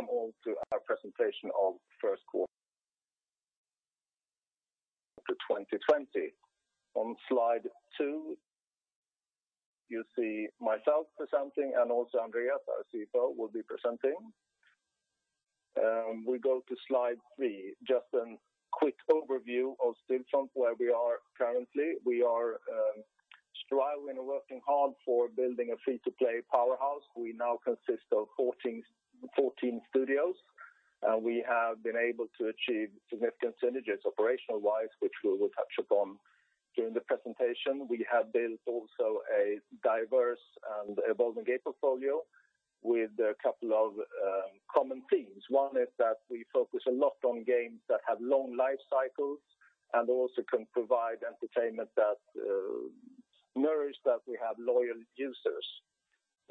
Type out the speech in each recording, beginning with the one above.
Welcome all to our presentation of first quarter to 2020. On slide two, you see myself presenting and also Andreas, our CFO, will be presenting. We go to slide three, just a quick overview of Stillfront, where we are currently. We are striving and working hard for building a free-to-play powerhouse. We now consist of 14 studios. We have been able to achieve significant synergies operational-wise, which we will touch upon during the presentation. We have built also a diverse and evolving game portfolio with a couple of common themes. One is that we focus a lot on games that have long life cycles and also can provide entertainment that nourish, that we have loyal users.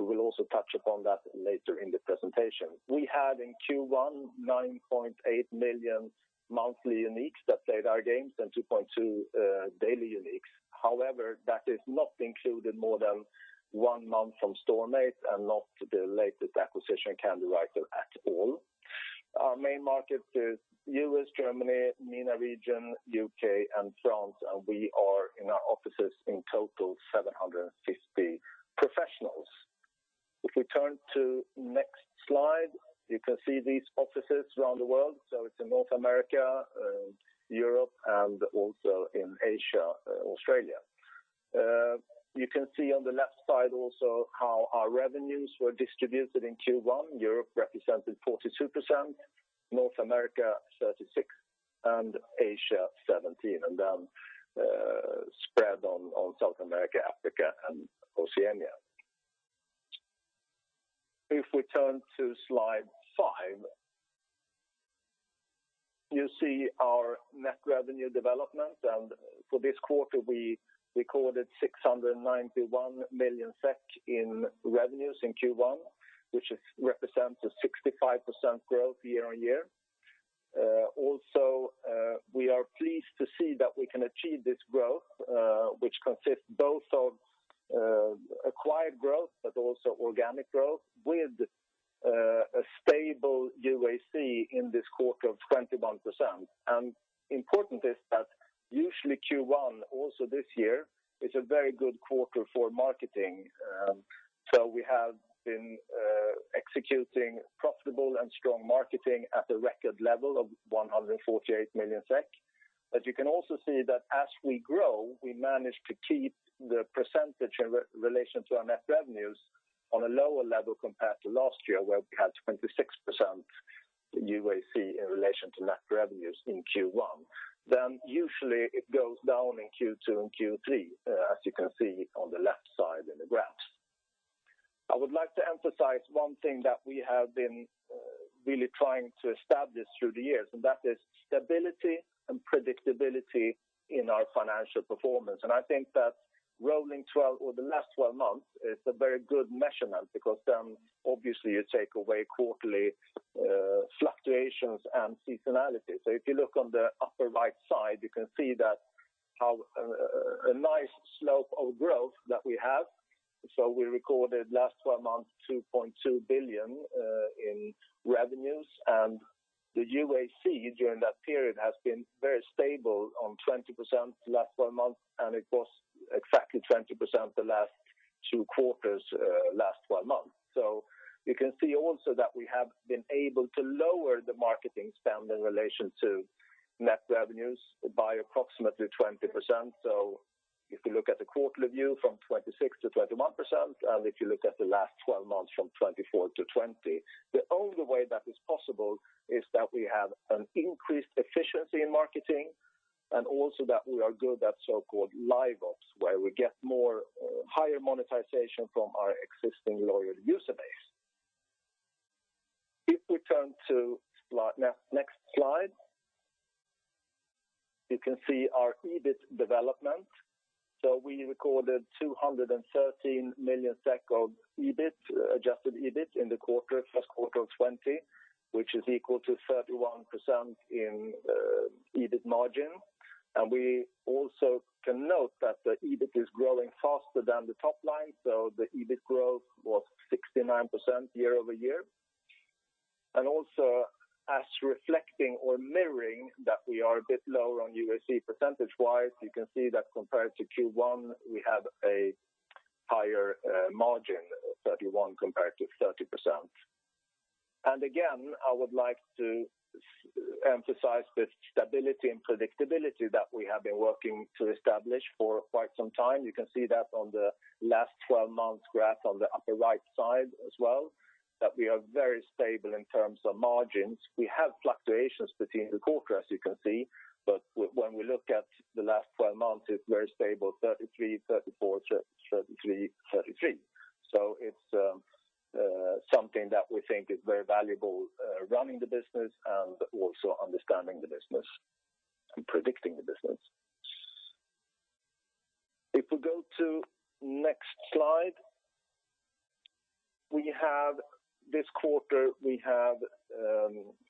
We will also touch upon that later in the presentation. We had in Q1, 9.8 million monthly uniques that played our games and 2.2 daily uniques. However, that is not included more than one month from Storm8, and not the latest acquisition Candywriter at all. Our main market is U.S., Germany, MENA region, U.K., and France, and we are in our offices in total 750 professionals. If we turn to next slide, you can see these offices around the world. It's in North America, Europe, and also in Asia, Australia. You can see on the left side also how our revenues were distributed in Q1. Europe represented 42%, North America 36%, and Asia 17%, and then spread on South America, Africa, and Oceania. If we turn to slide five, you see our net revenue development, and for this quarter, we recorded 691 million SEK in revenues in Q1, which represents a 65% growth year-over-year. We are pleased to see that we can achieve this growth which consists both of acquired growth but also organic growth with a stable UAC in this quarter of 21%. Important is that usually Q1, also this year, is a very good quarter for marketing. We have been executing profitable and strong marketing at a record level of 148 million SEK. You can also see that as we grow, we manage to keep the percentage in relation to our net revenues on a lower level compared to last year, where we had 26% UAC in relation to net revenues in Q1. Usually it goes down in Q2 and Q3, as you can see on the left side in the graph, I would like to emphasize one thing that we have been really trying to establish through the years, that is stability and predictability in our financial performance. I think that rolling 12 or the last 12 months is a very good measurement because then obviously you take away quarterly fluctuations and seasonality. If you look on the upper right side, you can see that how a nice slope of growth that we have. We recorded last 12 months 2.2 billion in revenues, and the UAC during that period has been very stable on 20% last 12 months, and it was exactly 20% the last two quarters, last 12 months. You can see also that we have been able to lower the marketing spend in relation to net revenues by approximately 20%. If you look at the quarterly view from 26% to 21%, if you look at the last 12 months from 24% to 20%. The only way that is possible is that we have an increased efficiency in marketing, also that we are good at so-called live ops, where we get more higher monetization from our existing loyal user base. If we turn to next slide, you can see our EBIT development. We recorded 213 million SEK of adjusted EBIT in the first quarter of 2020, which is equal to 31% in EBIT margin. We also can note that the EBIT is growing faster than the top line, the EBIT growth was 69% year-over-year. Also as reflecting or mirroring that we are a bit lower on UAC percentage-wise, you can see that compared to Q1, we have a higher margin of 31% compared to 30%. Again, I would like to emphasize the stability and predictability that we have been working to establish for quite some time. You can see that on the last 12 months graph on the upper right side as well, that we are very stable in terms of margins. We have fluctuations between the quarter, as you can see, but when we look at the last 12 months, it's very stable, 33%, 34%, 33%, 33%. It's something that we think is very valuable running the business and also understanding the business and predicting the business. If we go to next slide, this quarter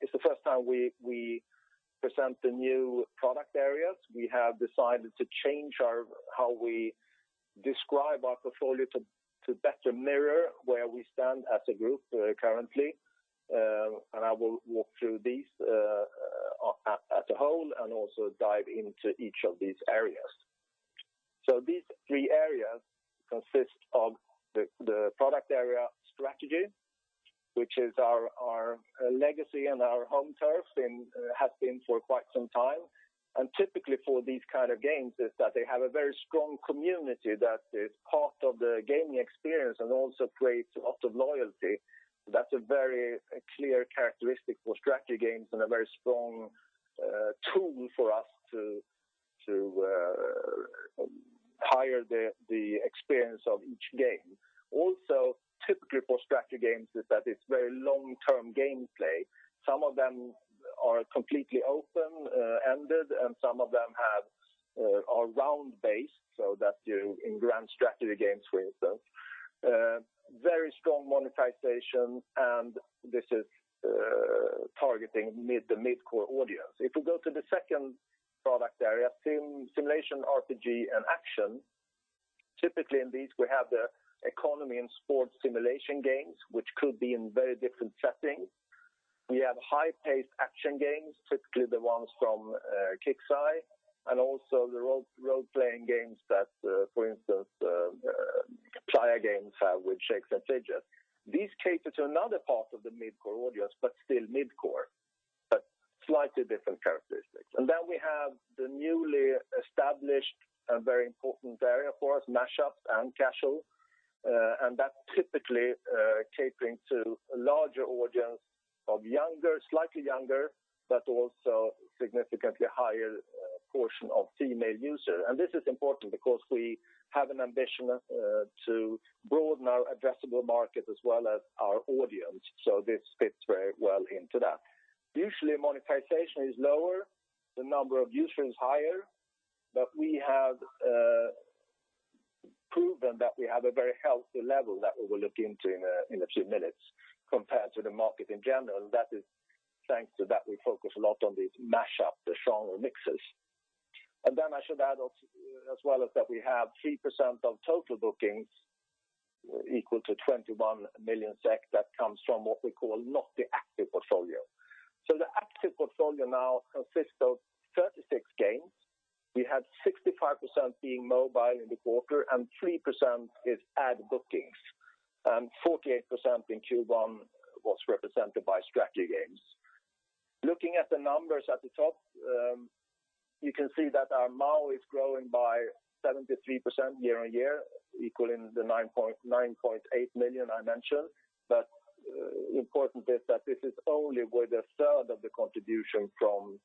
it's the first time we present the new product areas. We have decided to change how we describe our portfolio to better mirror where we stand as a group currently. I will walk through these as a whole, also dive into each of these areas. These three areas consist of the product area strategy, which is our legacy and our home turf, has been for quite some time. Typically for these kinds of games is that they have a very strong community that is part of the gaming experience, also creates a lot of loyalty. That's a very clear characteristic for strategy games, a very strong tool for us to heighten the experience of each game. Also, typically for strategy games is that it's very long-term gameplay. Some of them are completely open-ended, some of them are round-based, so that you're in grand strategy games, for instance. Very strong monetization, and this is targeting the mid-core audience. If we go to the second product area, sim, simulation, RPG, and action. Typically in these we have the economy and sports simulation games, which could be in very different settings. We have high-paced action games, typically the ones from Kixeye, and also the role-playing games that, for instance, Playa Games have with Shakes & Fidget. These cater to another part of the mid-core audience, but still mid-core, but slightly different characteristics. Then we have the newly established and very important area for us, mashups and casual. That typically caters to a larger audience of slightly younger, but also significantly higher portion of female users. This is important because we have an ambition to broaden our addressable market as well as our audience. This fits very well into that. Usually monetization is lower, the number of users higher, but we have proven that we have a very healthy level that we will look into in a few minutes compared to the market in general. That is thanks to that we focus a lot on these mashup, the stronger mixes. I should add as well is that we have 3% of total bookings equal to 21 million SEK that comes from what we call not the active portfolio. The active portfolio now consists of 36 games. We had 65% being mobile in the quarter, and 3% is ad bookings, and 48% in Q1 was represented by strategy games. Looking at the numbers at the top, you can see that our MAU is growing by 73% year-over-year, equaling the 9.8 million I mentioned. Important is that this is only with a third of the contribution from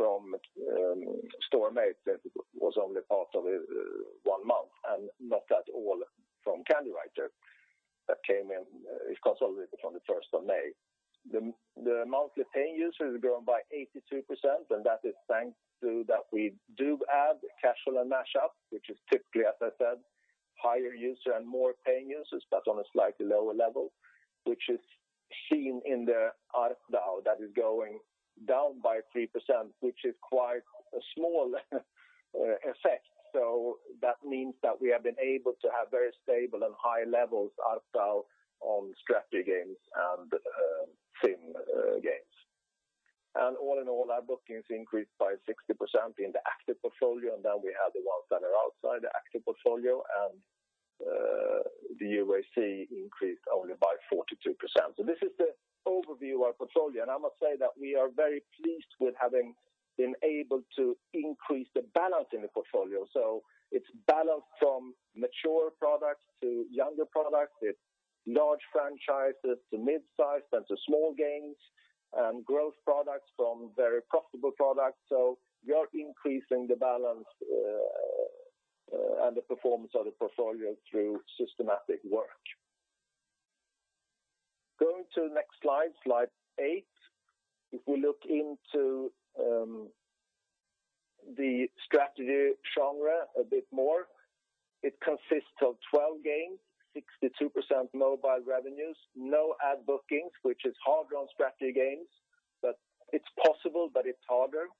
Storm8 that was only part of one month, and not at all from Candywriter that came in is consolidated from the 1st of May. The monthly paying users have grown by 82%. That is thanks to that we do add casual and mashup, which is typically, as I said, higher user and more paying users, but on a slightly lower level. Which is seen in the ARPDAU that is going down by 3%, which is quite a small effect. That means that we have been able to have very stable and high levels ARPDAU on strategy games and sim games. All in all, our bookings increased by 60% in the active portfolio, and then we have the ones that are outside the active portfolio, and the UAC increased only by 42%. This is the overview of our portfolio, and I must say that we are very pleased with having been able to increase the balance in the portfolio. It's balanced from mature products to younger products, it's large franchises to mid-size and to small games, and growth products from very profitable products. We are increasing the balance and the performance of the portfolio through systematic work. Going to the next slide eight. We look into the strategy genre a bit more. It consists of 12 games, 62% mobile revenues, no ad bookings, which is hard on strategy games, but it's possible, but it's harder.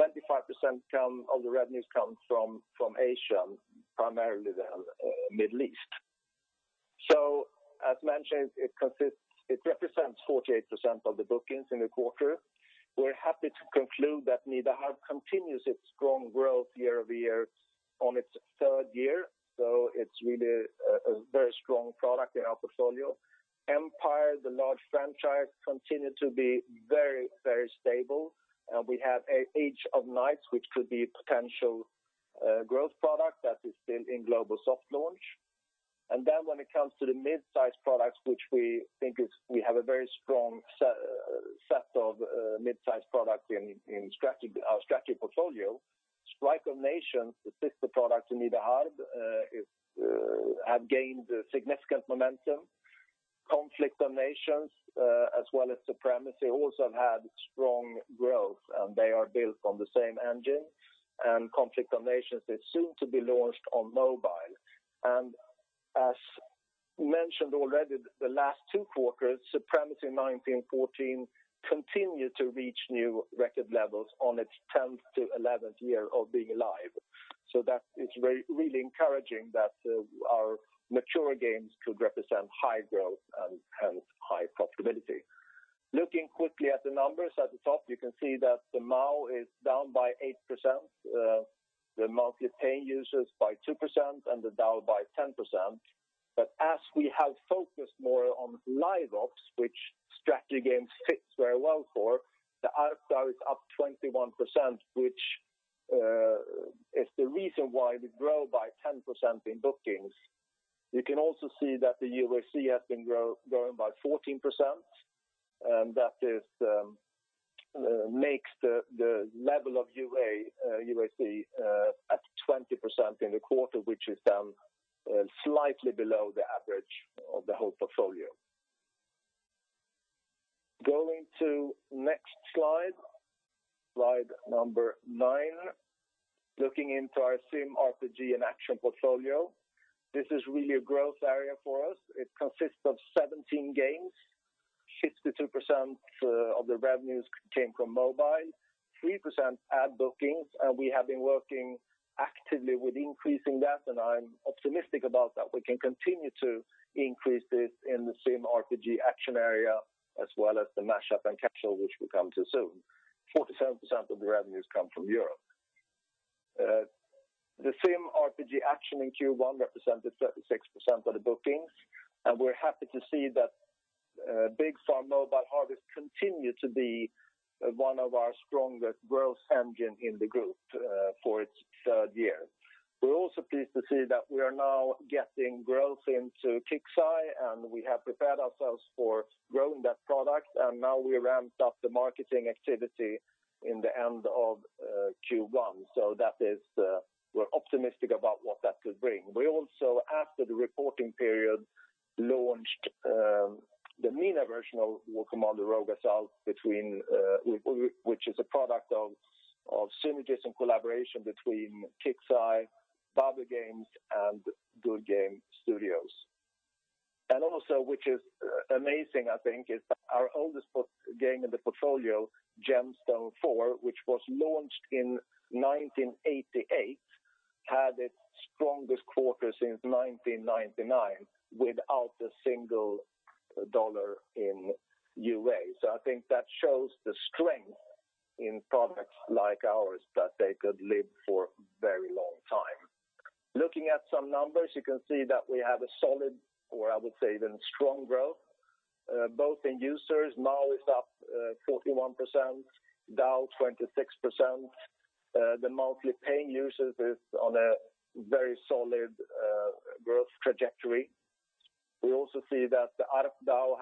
25% of the revenues come from Asia, primarily the Middle East. As mentioned, it represents 48% of the bookings in the quarter. We're happy to conclude that Nida Harb continues its strong growth year-over-year on its third year. It's really a very strong product in our portfolio. Empire, the large franchise, continued to be very stable. We have Age of Knights, which could be a potential growth product that is still in global soft launch. When it comes to the mid-size products, we have a very strong set of mid-size products in our strategy portfolio. Strike of Nations, the sister product to Nida Harb, have gained significant momentum. Conflict of Nations, as well as Supremacy, also have had strong growth, and they are built on the same engine. Conflict of Nations is soon to be launched on mobile. As mentioned already the last two quarters, Supremacy 1914 continued to reach new record levels on its 10th to 11th year of being live. That is really encouraging that our mature games could represent high growth and high profitability. Looking quickly at the numbers at the top, you can see that the MAU is down by 8%, the monthly paying users by 2%, and the DAU by 10%. As we have focused more on live ops, which strategy games fits very well for, the ARPDAU is up 21%, which is the reason why we grow by 10% in bookings. You can also see that the UAC has been growing by 14%, and that makes the level of UAC at 20% in the quarter, which is then slightly below the average of the whole portfolio. Going to next slide number 9. Looking into our Sim, RPG, and Action portfolio. This is really a growth area for us. It consists of 17 games. 52% of the revenues came from mobile, 3% ad bookings, and we have been working actively with increasing that, and I'm optimistic about that. We can continue to increase this in the Sim, RPG, Action area, as well as the mashup and Casual, which we'll come to soon. 47% of the revenues come from Europe. The Sim, RPG, Action in Q1 represented 36% of the bookings, and we're happy to see that Big Farm: Mobile Harvest continue to be one of our strongest growth engine in the group for its third year. We're also pleased to see that we are now getting growth into Kixeye, and we have prepared ourselves for growing that product, and now we ramped up the marketing activity in the end of Q1. We're optimistic about what that could bring. We also, after the reporting period, launched the MENA version of War Commander: Rogue Assault, which is a product of synergies and collaboration between Kixeye, Babil Games, and Goodgame Studios. Also, which is amazing, I think, is that our oldest game in the portfolio, GemStone IV, which was launched in 1988, had its strongest quarter since 1999 without a single $1 in UA. I think that shows the strength in products like ours that they could live for very long time. Looking at some numbers, you can see that we have a solid, or I would say even strong growth, both in users, MAU is up 41%, DAU 26%. The monthly paying users is on a very solid growth trajectory. We also see that the ARPDAU,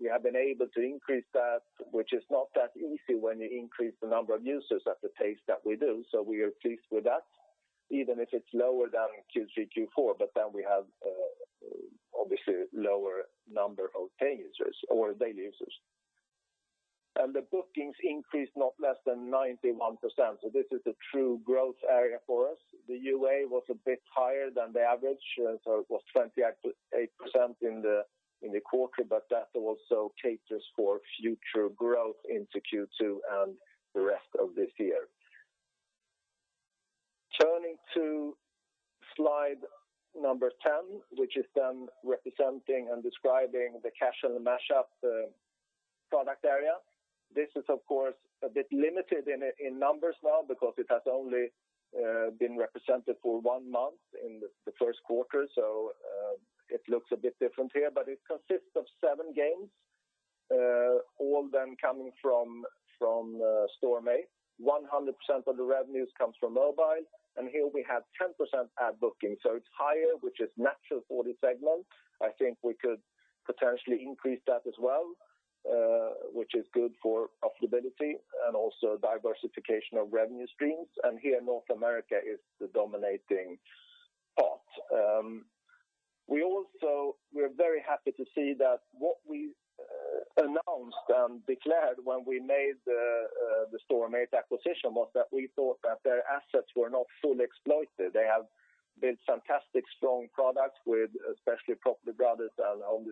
we have been able to increase that, which is not that easy when you increase the number of users at the pace that we do. We are pleased with that, even if it's lower than Q3, Q4, but then we have obviously lower number of paying users or daily users. The bookings increased not less than 91%, so this is a true growth area for us. The UA was a bit higher than the average, so it was 28% in the quarter, but that also caters for future growth into Q2 and the rest of this year. Turning to slide number 10, which is then representing and describing the Casual and Mashup product area. This is of course, a bit limited in numbers now because it has only been represented for one month in the first quarter, so it looks a bit different here, but it consists of seven games, all then coming from Storm8. 100% of the revenues come from mobile, and here we have 10% ad booking, so it's higher, which is natural for this segment. I think we could potentially increase that as well, which is good for profitability and also diversification of revenue streams. Here, North America is the dominating part. We're very happy to see that what we announced and declared when we made the Storm8 acquisition was that we thought that their assets were not fully exploited. They have built fantastic strong products with especially Property Brothers and Home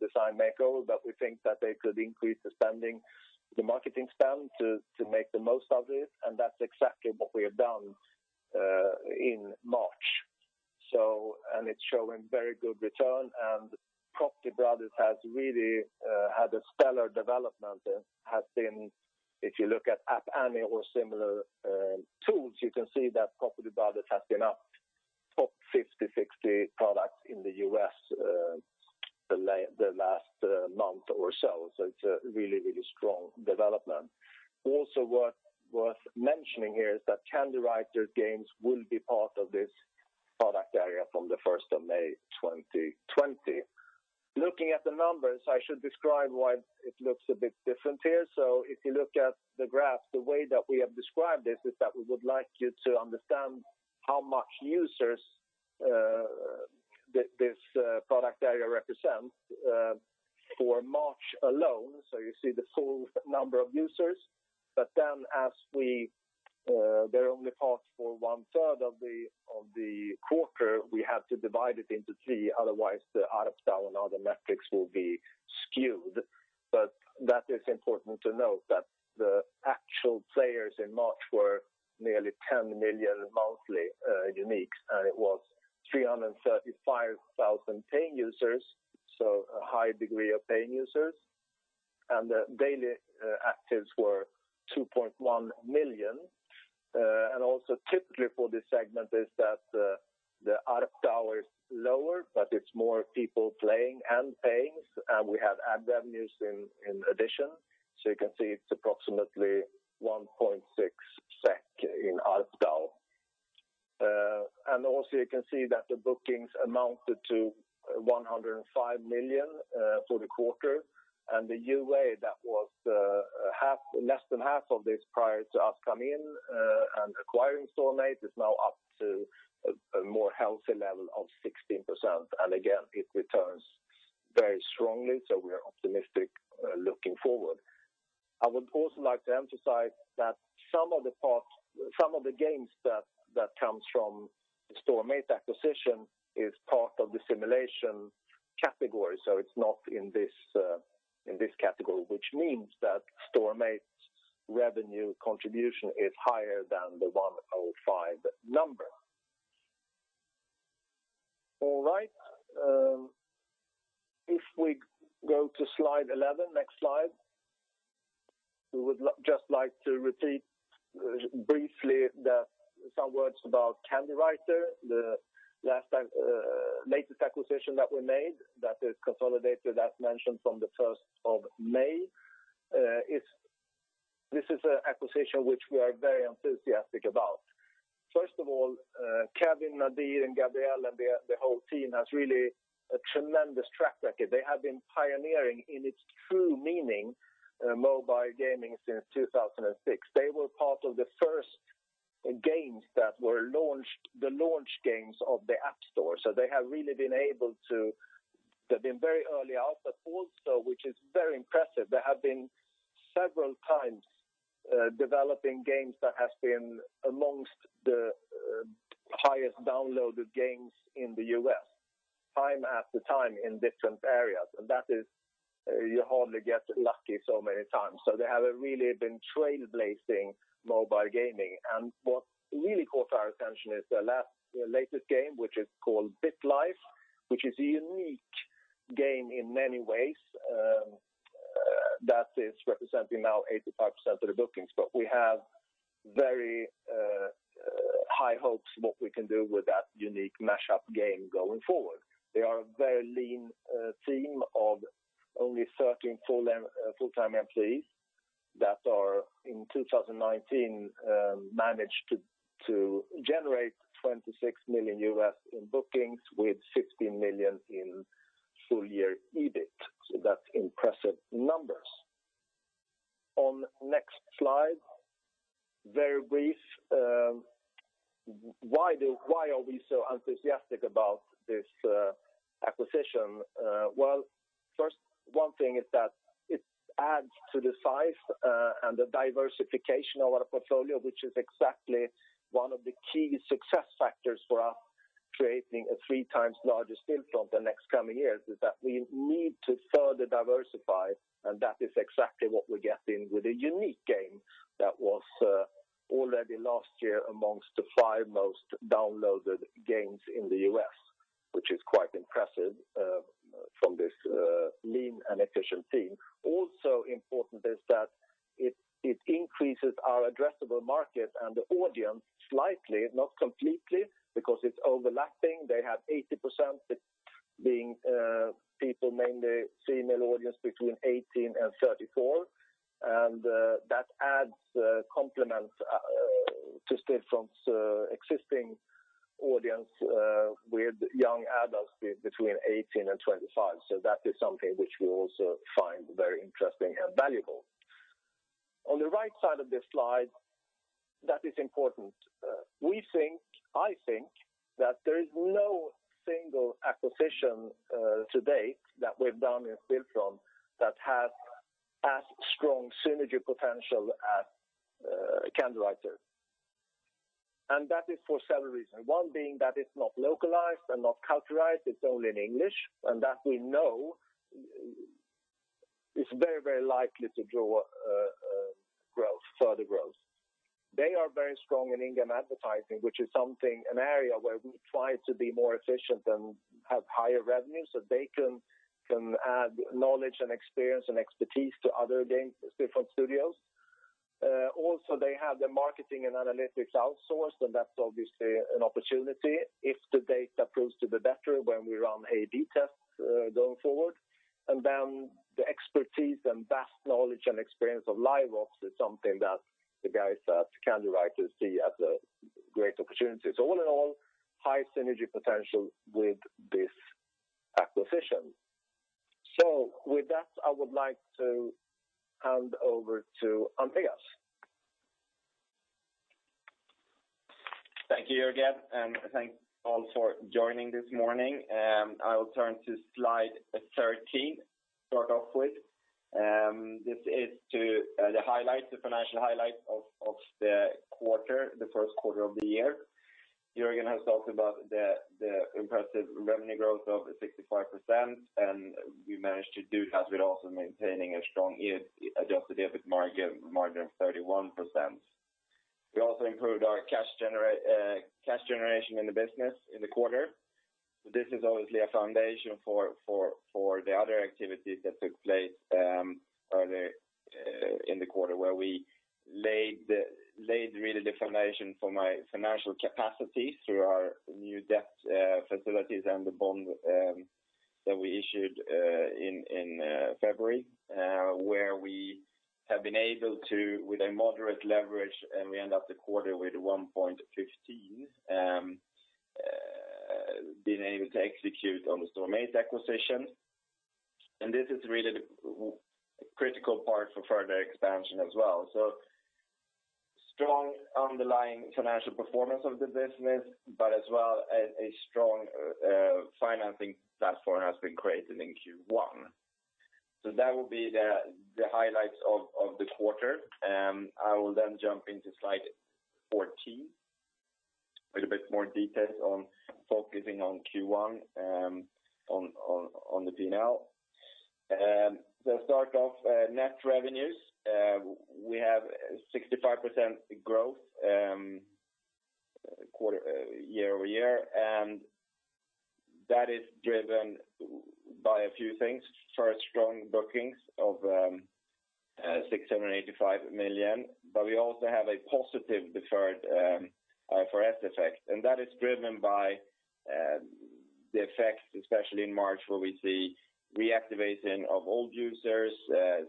Design Makeover, but we think that they could increase the marketing spend to make the most of it, and that's exactly what we have done in March. It's showing very good return, and Property Brothers has really had a stellar development and has been, if you look at App Annie or similar tools, you can see that Property Brothers has been a top 50, 60 product in the U.S. the last month or so. It's a really strong development. Also worth mentioning here is that Candywriter games will be part of this product area from the 1st of May 2020. Looking at the numbers, I should describe why it looks a bit different here. If you look at the graph, the way that we have described this is that we would like you to understand how much users this product area represents. For March alone, so you see the full number of users. As they're only part for one third of the quarter, we have to divide it into three, otherwise the ARPDAU and other metrics will be skewed. That is important to note that the actual players in March were nearly 10 million monthly unique, and it was 335,000 paying users, so a high degree of paying users, and the daily actives were 2.1 million. Also, typically for this segment is that the ARPDAU is lower, but it's more people playing and paying, and we have ad revenues in addition. You can see it's approximately 1.6 SEK in ARPDAU. Also you can see that the bookings amounted to 105 million for the quarter. The UA that was less than half of this prior to us coming in and acquiring Storm8, is now up to a more healthy level of 16%. Again, it returns very strongly, we are optimistic looking forward. I would also like to emphasize that some of the games that comes from Storm8 acquisition is part of the simulation category, it's not in this category, which means that Storm8's revenue contribution is higher than the 105. All right. If we go to slide 11, next slide. We would just like to repeat briefly some words about Candywriter, the latest acquisition that we made that is consolidated, as mentioned, from the 1st of May. This is an acquisition which we are very enthusiastic about. First of all, Kevin, Nadir, and Gabriel, and the whole team has really a tremendous track record. They have been pioneering, in its true meaning, mobile gaming since 2006. They were part of the first games that were the launch games of the App Store. They've been very early out, but also, which is very impressive, they have been several times developing games that has been amongst the highest downloaded games in the U.S., time after time in different areas. That is, you hardly get lucky so many times. They have really been trailblazing mobile gaming. What really caught our attention is their latest game, which is called BitLife, which is a unique game in many ways, that is representing now 85% of the bookings. We have very high hopes what we can do with that unique mashup game going forward. They are a very lean team of only 13 full-time employees that in 2019 managed to generate $26 million in bookings with 16 million in full year EBIT. That's impressive numbers. Next slide, very brief. Why are we so enthusiastic about this acquisition? First, one thing is that it adds to the size and the diversification of our portfolio, which is exactly one of the key success factors for us creating a three times larger Stillfront the next coming years, is that we need to further diversify, and that is exactly what we're getting with a unique game that was already last year amongst the five most downloaded games in the U.S., which is quite impressive from this lean and efficient team. Also important is that it increases our addressable market and the audience slightly, not completely, because it's overlapping. They have 80% being people, mainly female audience between 18 and 34. That adds complements to Stillfront's existing audience with young adults between 18 and 25. That is something which we also find very interesting and valuable. On the right side of this slide, that is important. I think that there is no single acquisition to date that we've done in Stillfront that has as strong synergy potential as Candywriter. That is for several reasons. One being that it's not localized and not culturalized, it's only in English, and that we know is very likely to draw further growth. They are very strong in in-game advertising, which is an area where we try to be more efficient and have higher revenues, they can add knowledge and experience and expertise to other games, different studios. Also, they have their marketing and analytics outsourced, and that's obviously an opportunity if the data proves to be better when we run A/B tests going forward. The expertise and vast knowledge and experience of Liveops is something that the guys at Candywriter see as a great opportunity. All in all, high synergy potential with this acquisition. With that, I would like to hand over to Andreas. Thank you, Jörgen, and thanks all for joining this morning. I will turn to slide 13 to start off with. This is to the financial highlight of the first quarter of the year. Jörgen has talked about the impressive revenue growth of 65%. We managed to do that with also maintaining a strong adjusted EBIT margin of 31%. We also improved our cash generation in the business in the quarter. This is obviously a foundation for the other activities that took place earlier in the quarter, where we laid really the foundation for my financial capacity through our new debt facilities and the bond that we issued in February where we have been able to, with a moderate leverage, and we end up the quarter with 1.15, been able to execute on the Storm8 acquisition. This is really the critical part for further expansion as well. Strong underlying financial performance of the business, but as well as a strong financing platform has been created in Q1. That will be the highlights of the quarter. I will jump into slide 14. A little bit more details on focusing on Q1 on the P&L. The start of net revenues, we have 65% growth year-over-year, and that is driven by a few things. First, strong bookings of 685 million, but we also have a positive deferred revenues effect, and that is driven by the effects, especially in March, where we see reactivation of old users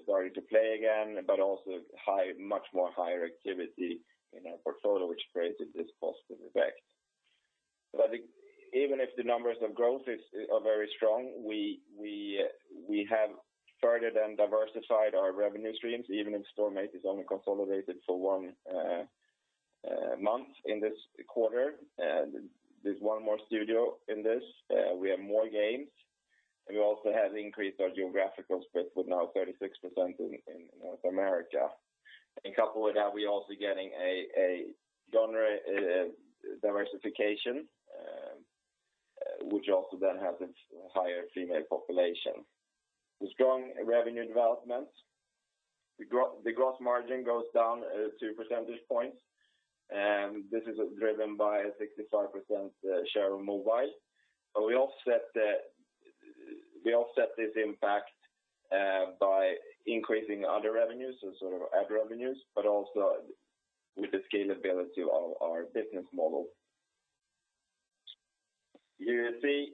starting to play again, but also much more higher activity in our portfolio, which created this positive effect. Even if the numbers of growth are very strong, we have started and diversified our revenue streams, even if Storm8 is only consolidated for one month in this quarter. There's one more studio in this. We have more games, we also have increased our geographical spread with now 36% in North America. Coupled with that, we're also getting a genre diversification, which also then has its higher female population. The strong revenue development. The gross margin goes down two percentage points. This is driven by a 65% share of mobile. We offset this impact by increasing other revenues, so sort of ad revenues, but also with the scalability of our business model. You see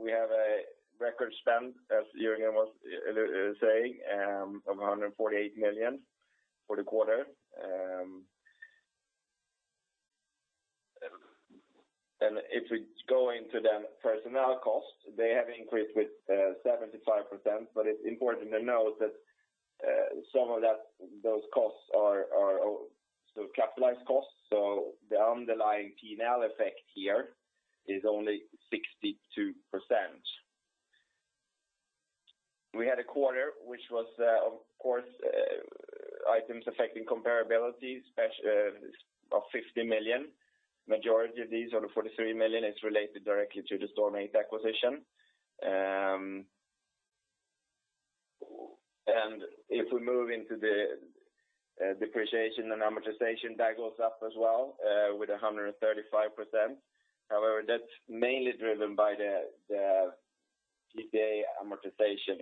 we have a record spend, as Jörgen was saying, of 148 million for the quarter. If we go into the personnel costs, they have increased with 75%, but it's important to note that some of those costs are still capitalized costs, so the underlying P&L effect here is only 62%. We had a quarter which was, of course, items affecting comparability of 50 million. Majority of these, or 43 million, is related directly to the Storm8 acquisition. If we move into the depreciation and amortization, that goes up as well, with 135%. However, that's mainly driven by the PPA amortization,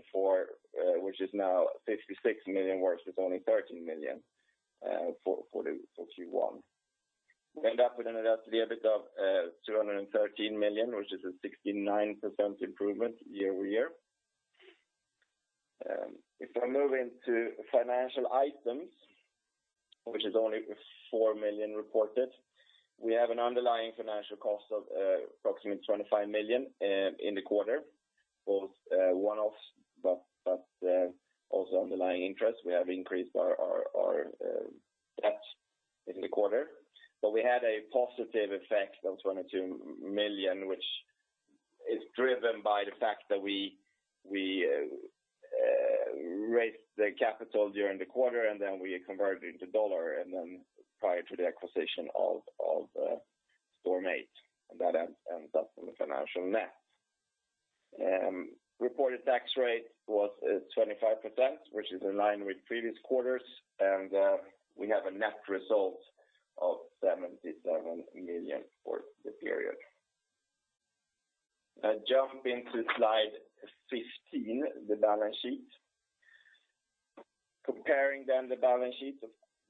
which is now 66 million versus only 13 million for Q1. We end up with an adjusted EBIT of 213 million, which is a 69% improvement year-over-year. If I move into financial items, which is only 4 million reported, we have an underlying financial cost of approximately 25 million in the quarter, both one-offs, but also underlying interest. We have increased our debts in the quarter. We had a positive effect of 22 million, which is driven by the fact that we raised the capital during the quarter, and then we converted into USD prior to the acquisition of Storm8. That ends up in the financial net. Reported tax rate was 25%, which is in line with previous quarters, and we have a net result of 77 million for the period. I jump into slide 15, the balance sheet. Comparing the balance sheet,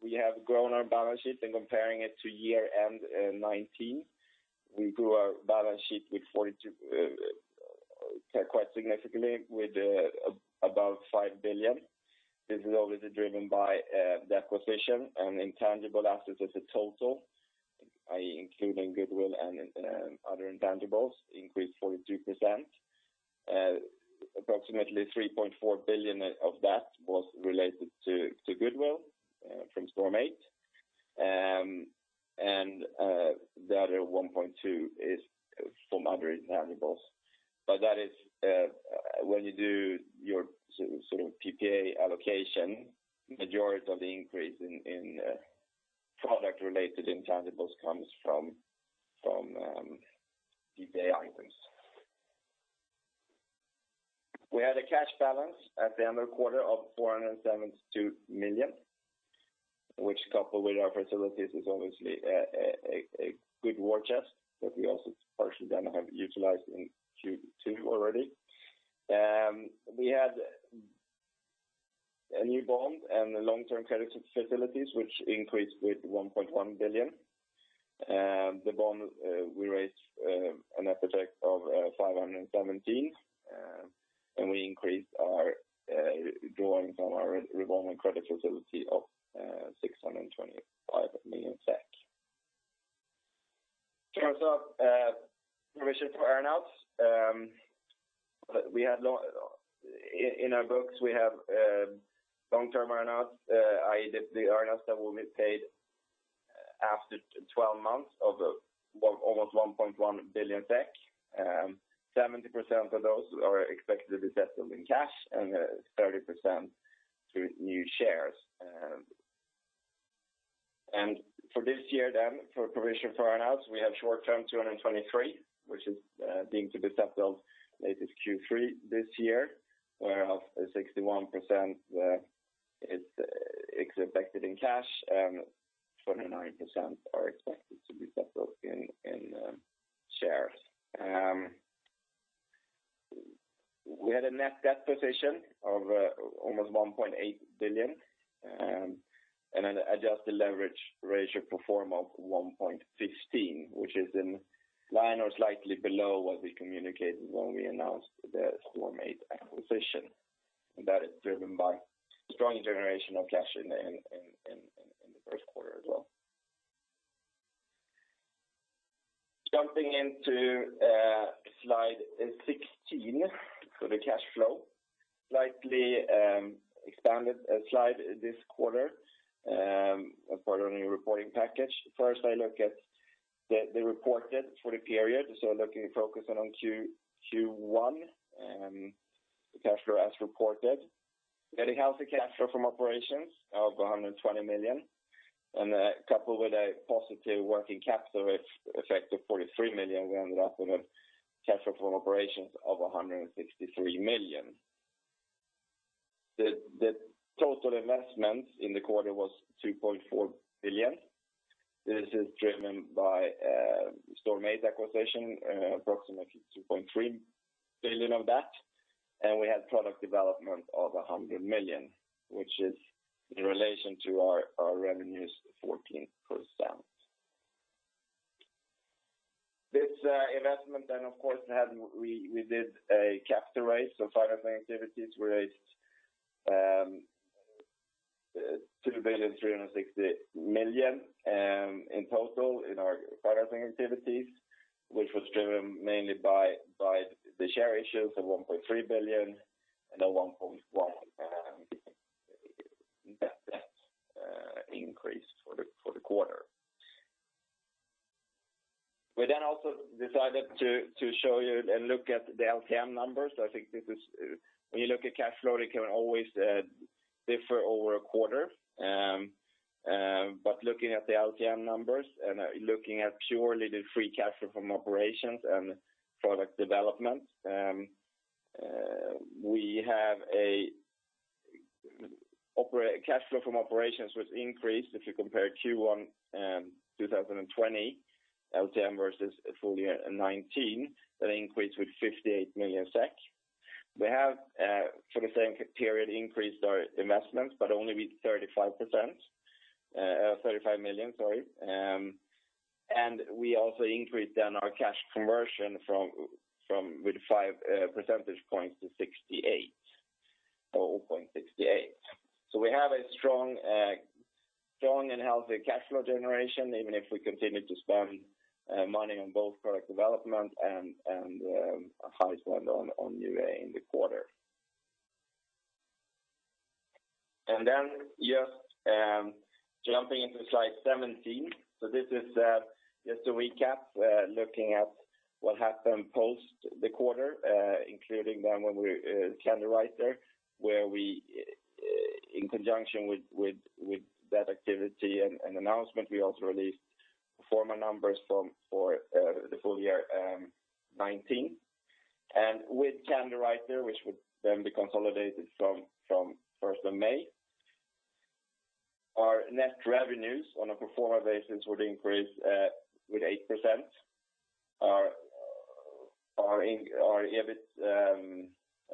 we have grown our balance sheet and comparing it to year-end in 2019. We grew our balance sheet quite significantly with above 5 billion. This is obviously driven by the acquisition and intangible assets as a total, including goodwill and other intangibles increased 43%. Approximately 3.4 billion of that was related to goodwill from Storm8. The other 1.2 billion is from other intangibles. That is when you do your PPA allocation, majority of the increase in product-related intangibles comes from PPA items. We had a cash balance at the end of the quarter of 472 million, which, coupled with our facilities, is obviously a good war chest that we also partially then have utilized in Q2 already. We had a new bond and long-term credit facilities, which increased with 1.1 billion. The bond we raised an after-tax of 517 million, and we increased our drawings on our revolving credit facility of 625 million SEK. In terms of provisions for earn-outs. In our books, we have long-term earn-outs, i.e., the earn-outs that will be paid after 12 months of almost 1.1 billion. 70% of those are expected to be settled in cash and 30% through new shares. For this year, for provision for earn-outs, we have short-term 223, which is deemed to be settled latest Q3 this year, where 61% is expected in cash and 29% are expected to be settled in shares. We had a net debt position of almost 1.8 billion, and an adjusted leverage ratio pro forma of 1.15, which is in line or slightly below what we communicated when we announced the Storm8 acquisition. That is driven by strong generation of cash in the first quarter as well. Jumping into slide 16, the cash flow. Slightly expanded slide this quarter for the new reporting package. First, I look at the reported for the period, focusing on Q1, the cash flow as reported. Very healthy cash flow from operations of 120 million, coupled with a positive working capital effect of 43 million, we ended up with a cash flow from operations of 163 million. The total investments in the quarter was 3.4 billion. This is driven by Storm8 acquisition, approximately 2.3 billion of that. We had product development of 100 million, which is in relation to our revenues, 14%. This investment then, of course, we did a capital raise, financing activities raised 2.36 billion in total in our financing activities, which was driven mainly by the share issues of 1.3 billion and a 1.1 billion net debt increase for the quarter. We also decided to show you and look at the LTM numbers. When you look at cash flow, it can always differ over a quarter. Looking at the LTM numbers and looking at purely the free cash flow from operations and product development, we have a cash flow from operations was increased if you compare Q1 2020 LTM versus full year 2019, that increased with 58 million SEK. We have, for the same period, increased our investments, only with 35 million. We also increased then our cash conversion with five percentage points to 0.68. We have a strong and healthy cash flow generation, even if we continue to spend money on both product development and a high spend on UA in the quarter. Just jumping into slide 17. This is just a recap, looking at what happened post the quarter including then when we, Candywriter, where we in conjunction with that activity and announcement, we also released pro forma numbers for the full year 2019. With Candywriter, which would then be consolidated from 1st of May, our net revenues on a pro forma basis would increase with 8%. Our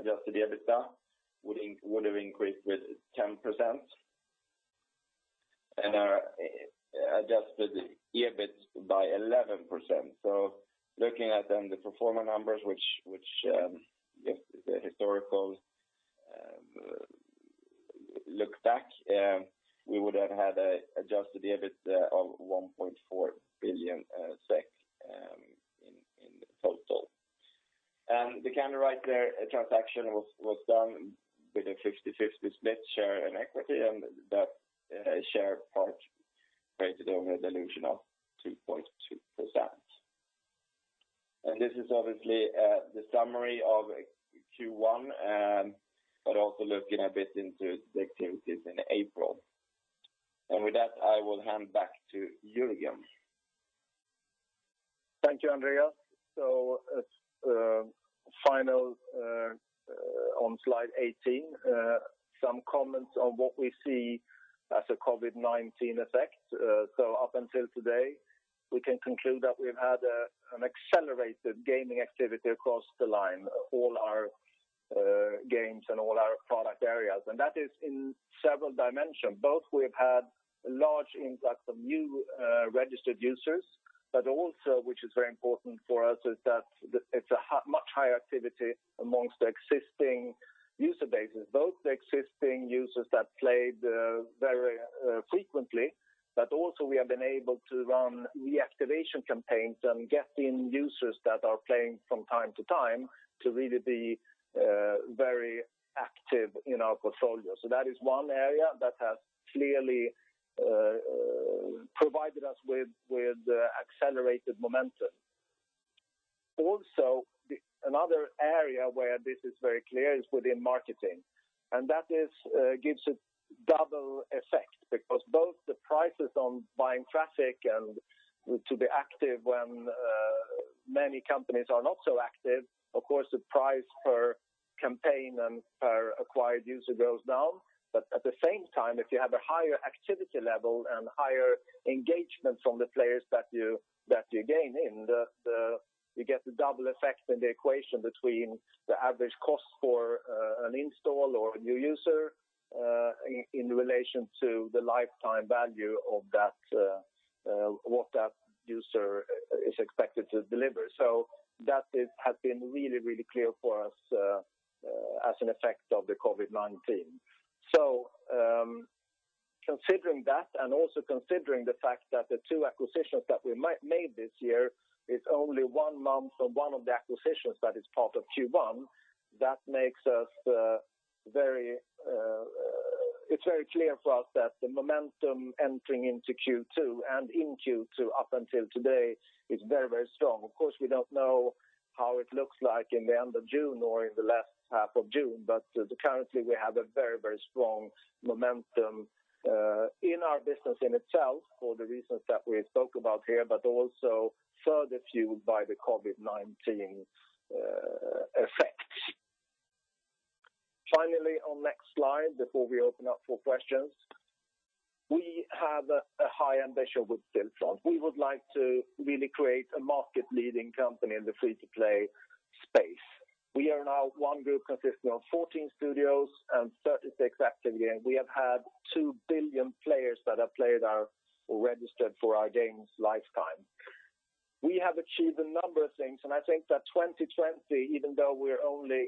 adjusted EBITDA would have increased with 10%, and our adjusted EBIT by 11%. Looking at the pro forma numbers, which the historical look back, we would have had adjusted EBIT of 1.4 billion SEK in total. The Candywriter transaction was done with a 50/50 split share in equity, and that share part created a dilution of 2.2%. This is obviously the summary of Q1, but also looking a bit into the activities in April. With that, I will hand back to Jörgen. Thank you, Andreas. Final on slide 18, some comments on what we see as a COVID-19 effect. Up until today, we can conclude that we've had an accelerated gaming activity across the line, all our games and all our product areas. That is in several dimensions. Both we've had large influx of new registered users, but also which is very important for us is that it's a much higher activity amongst the existing user bases, both the existing users that played very frequently, but also we have been able to run reactivation campaigns and get in users that are playing from time to time to really be very active in our portfolio. That is one area that has clearly provided us with accelerated momentum. Also, another area where this is very clear is within marketing, and that gives a double effect because both the prices on buying traffic and to be active when many companies are not so active, of course, the price per campaign and per acquired user goes down. At the same time, if you have a higher activity level and higher engagement from the players that you gain. You get the double effect in the equation between the average cost for an install or a new user, in relation to the lifetime value of what that user is expected to deliver. That has been really clear for us as an effect of the COVID-19. Considering that and also considering the fact that the two acquisitions that we made this year is only one month on one of the acquisitions that is part of Q1, it is very clear for us that the momentum entering into Q2 and in Q2 up until today is very strong. Of course, we do not know how it looks like in the end of June or in the last half of June, but currently we have a very strong momentum in our business in itself for the reasons that we spoke about here, but also further fueled by the COVID-19 effects. Finally, on next slide, before we open up for questions, we have a high ambition with Stillfront. We would like to really create a market-leading company in the free-to-play space. We are now one group consisting of 14 studios and 36 active games. We have had 2 billion players that have played or registered for our games lifetime. I think that 2020, even though we're only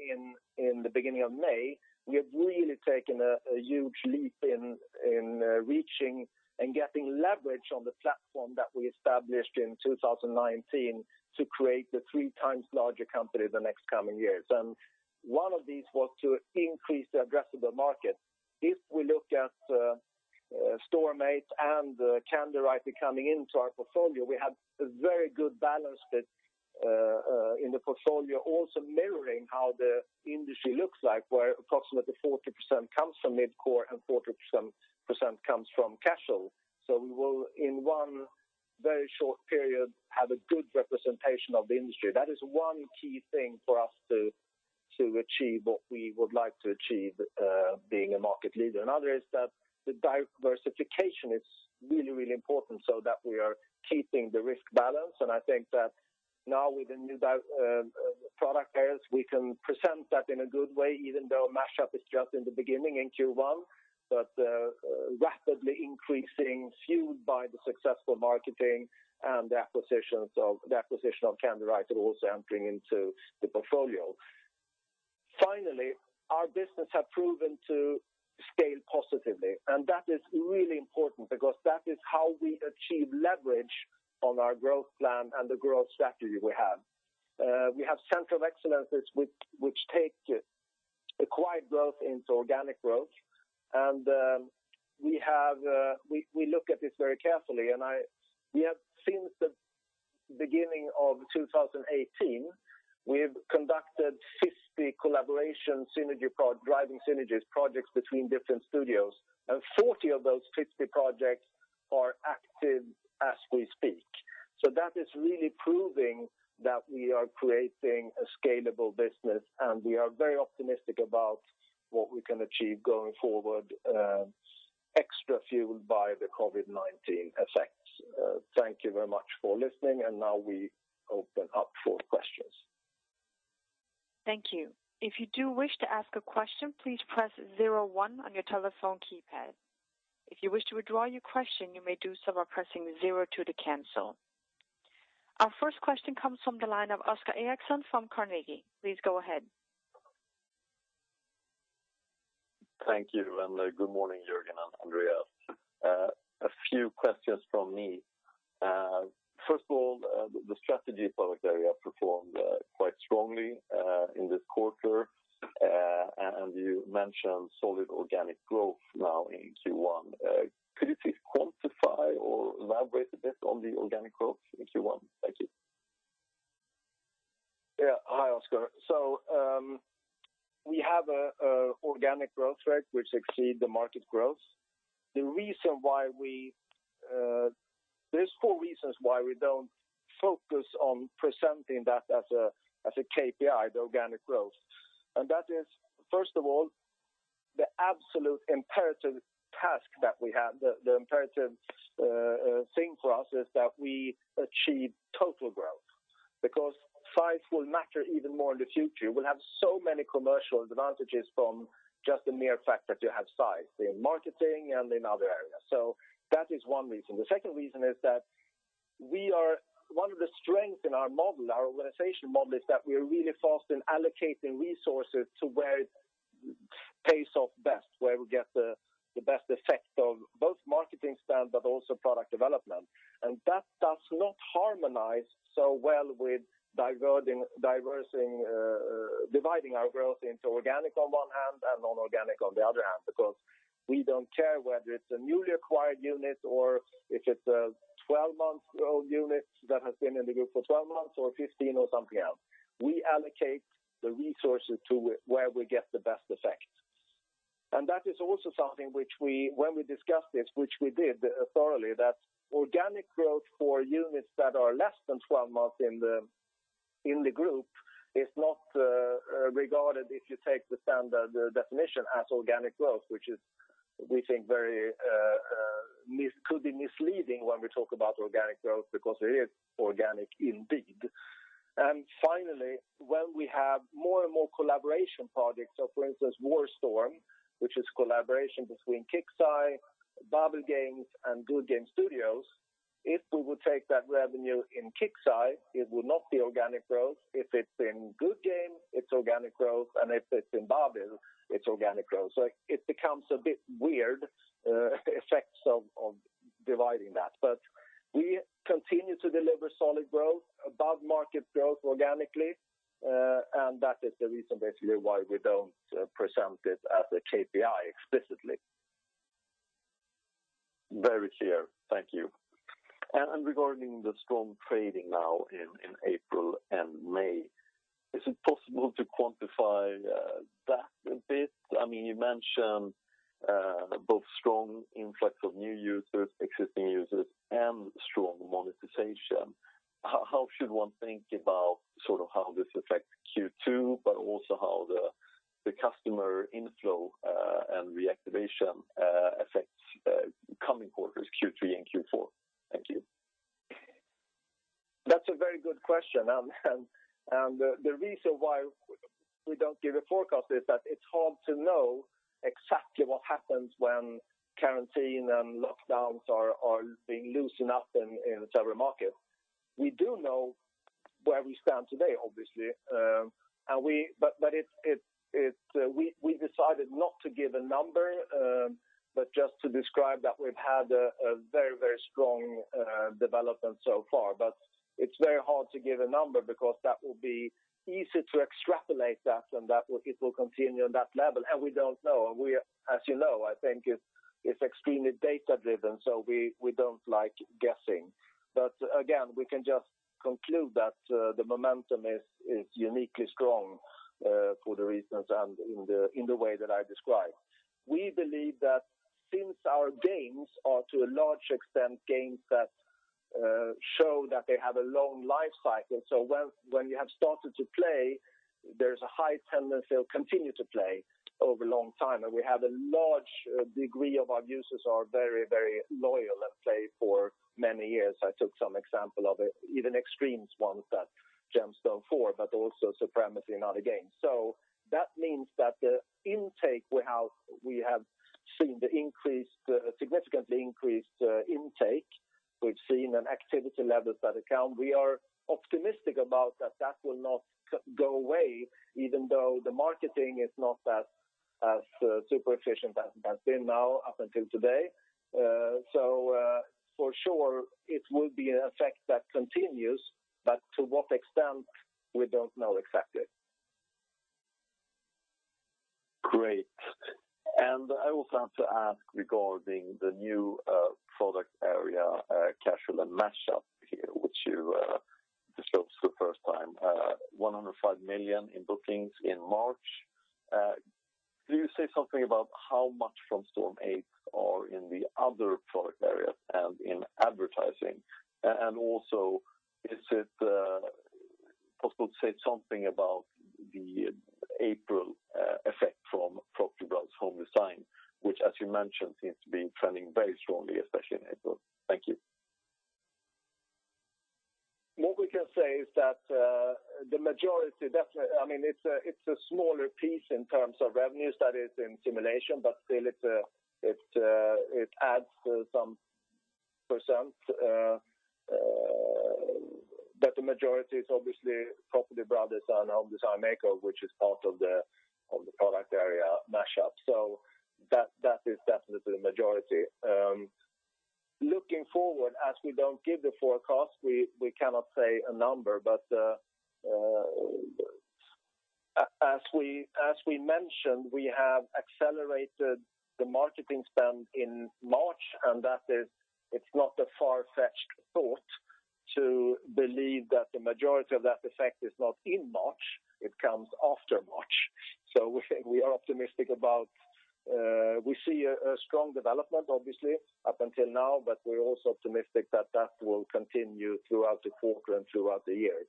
in the beginning of May, we have really taken a huge leap in reaching and getting leverage on the platform that we established in 2019 to create the 3 times larger company the next coming years. One of these was to increase the addressable market. If we look at Storm8 and Candywriter coming into our portfolio, we have a very good balance in the portfolio, also mirroring how the industry looks like, where approximately 40% comes from mid-core and 40% comes from casual. We will, in one very short period, have a good representation of the industry. That is one key thing for us to achieve what we would like to achieve being a market leader. The diversification is really important so that we are keeping the risk balance. I think that now with the new product areas, we can present that in a good way, even though Mashup is just in the beginning in Q1. Rapidly increasing, fueled by the successful marketing and the acquisition of Candywriter also entering into the portfolio. Finally, our business have proven to scale positively, and that is really important because that is how we achieve leverage on our growth plan and the growth strategy we have. We have center of excellences which take acquired growth into organic growth. We look at this very carefully. Since the beginning of 2018, we've conducted 50 collaboration synergy driving synergies projects between different studios, and 40 of those 50 projects are active as we speak. That is really proving that we are creating a scalable business, and we are very optimistic about what we can achieve going forward, extra fueled by the COVID-19 effects. Thank you very much for listening, and now we open up for questions. Thank you. If you do wish to ask a question, please press zero one on your telephone keypad. If you wish to withdraw your question, you may do so by pressing zero two to cancel. Our first question comes from the line of Oscar Erixon from Carnegie. Please go ahead. Thank you, and good morning, Jörgen and Andreas. A few questions from me. First of all, the strategy product area performed quite strongly in this quarter, and you mentioned solid organic growth now in Q1. Could you please quantify or elaborate a bit on the organic growth in Q1? Thank you. Yeah. Hi, Oskar. We have organic growth rate which exceeds the market growth. There's four reasons why we don't focus on presenting that as a KPI: the organic growth. That is, first of all, the absolute imperative task that we have, the imperative thing for us is that we achieve total growth, because size will matter even more in the future. We'll have so many commercial advantages from just the mere fact that you have size in marketing and in other areas. That is one reason. The second reason is that one of the strengths in our model, our organization model, is that we are really fast in allocating resources to where it pays off best, where we get the best effect of both marketing stand, but also product development. That does not harmonize so well with dividing our growth into organic on one hand, and non-organic on the other hand, because we don't care whether it's a newly acquired unit or if it's a 12-month-old unit that has been in the group for 12 months or 15 or something else. We allocate the resources to where we get the best effect. That is also something which when we discussed this, which we did thoroughly, that organic growth for units that are less than 12 months in the group is not regarded, if you take the standard definition as organic growth, which we think could be misleading when we talk about organic growth because it is organic indeed. Finally, when we have more and more collaboration projects, for instance, War Storm, which is a collaboration between Kixeye, Babil Games, and Goodgame Studios, if we would take that revenue in Kixeye, it would not be organic growth. If it's in Goodgame, it's organic growth, and if it's in Babil, it's organic growth. It becomes a bit weird effects of dividing that. We continue to deliver solid growth, above market growth, organically. That is the reason basically why we don't present it as a KPI explicitly. Very clear. Thank you. Regarding the strong trading now in April and May, is it possible to quantify that a bit? You mentioned both strong influx of new users, existing users, and strong monetization. How should one think about how this affects Q2, but also how the customer inflow and reactivation, affect coming quarters, Q3 and Q4? Thank you. That's a very good question. The reason why we don't give a forecast is that it's hard to know exactly what happens when quarantine and lockdowns are being loosened up in several markets. We do know where we stand today, obviously. We decided not to give a number, but just to describe that we've had a very strong development so far. It's very hard to give a number because that will be easy to extrapolate that, and that it will continue on that level, and we don't know. As you know, I think it's extremely data-driven, so we don't like guessing. Again, we can just conclude that the momentum is uniquely strong, for the reasons and in the way that I described. We believe that since our games are to a large extent games that show that they have a long life cycle, when you have started to play, there's a high tendency you'll continue to play over a long time. We have a large degree of our users are very loyal and play for many years. I took some example of it, even extremes ones, that GemStone IV, but also Supremacy and other games. That means that the intake we have seen, the significantly increased intake we've seen and activity levels that account, we are optimistic about that that will not go away even though the marketing is not as super efficient as it has been now up until today. For sure, it will be an effect that continues, but to what extent, we don't know exactly. Great. I also want to ask regarding the new product area, casual and mashup here, which you disclosed for the first time, 105 million in bookings in March. Could you say something about how much from Storm8 are in the other product areas and in advertising? Also, is it possible to say something about the April effect from Property Brothers Home Design, which as you mentioned, seems to be trending very strongly, especially in April. Thank you. The majority, it's a smaller piece in terms of revenues that is in simulation, but still it adds some %. The majority is obviously Property Brothers and Home Design Makeover!, which is part of the product area mashup. That is definitely the majority. Looking forward, as we don't give the forecast, we cannot say a number. As we mentioned, we have accelerated the marketing spend in March, and it's not a far-fetched thought to believe that the majority of that effect is not in March, it comes after March. We are optimistic. We see a strong development obviously up until now, but we're also optimistic that that will continue throughout the quarter and throughout the year.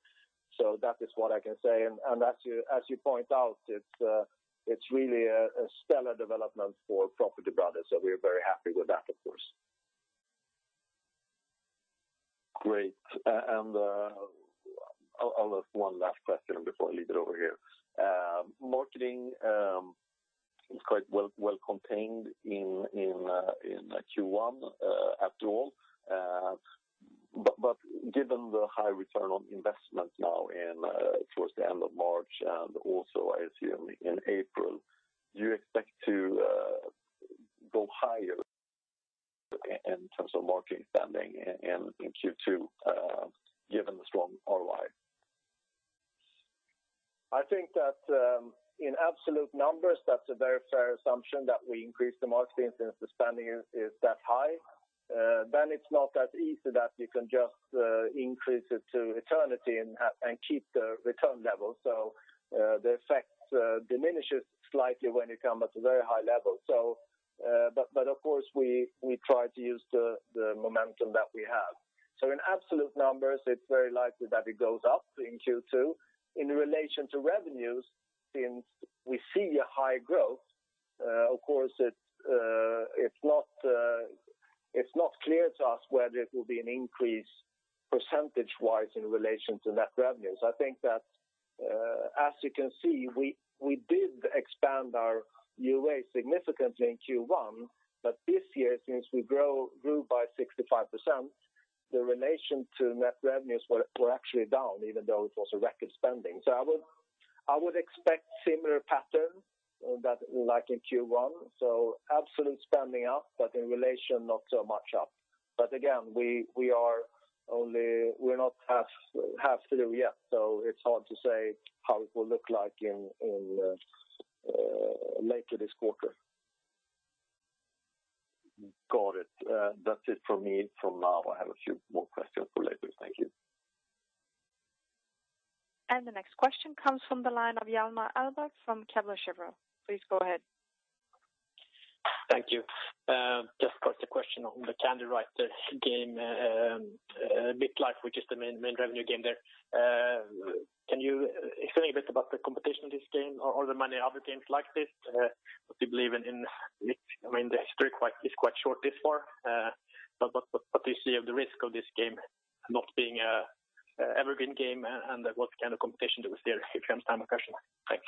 That is what I can say, and as you point out, it's really a stellar development for Property Brothers. We are very happy with that, of course. Great. Almost one last question before I leave it over here. Marketing is quite well contained in Q1 after all. Given the high return on investment now towards the end of March and also I assume in April, do you expect to go higher in terms of marketing spending in Q2 given the strong ROI? I think that in absolute numbers, that's a very fair assumption that we increase the marketing since the spending is that high. It's not that easy that you can just increase it to eternity and keep the return level. Of course, we try to use the momentum that we have. In absolute numbers, it's very likely that it goes up in Q2. In relation to revenues, since we see a high growth, of course, it's not clear to us whether it will be an increase percentage-wise in relation to net revenues. I think that as you can see, we did expand our UA significantly in Q1, but this year, since we grew by 65%, the relation to net revenues were actually down even though it was a record spending. I would expect similar patterns like in Q1, so absolute spending up, but in relation, not so much up. Again, we're not half through yet, so it's hard to say how it will look like later this quarter. Got it. That's it from me for now. I have a few more questions for later. Thank you. The next question comes from the line of Hjalmar Ahlberg from Kepler Cheuvreux. Please go ahead. Thank you. Just of course the question n the Candy Crush game, BitLife, which is the main revenue game there. Can you explain a bit about the competition of this game or are there many other games like this that you believe in? The history is quite short this far. What do you see of the risk of this game not being an evergreen game and what kind of competition do you see there if you have time, of course. Thanks.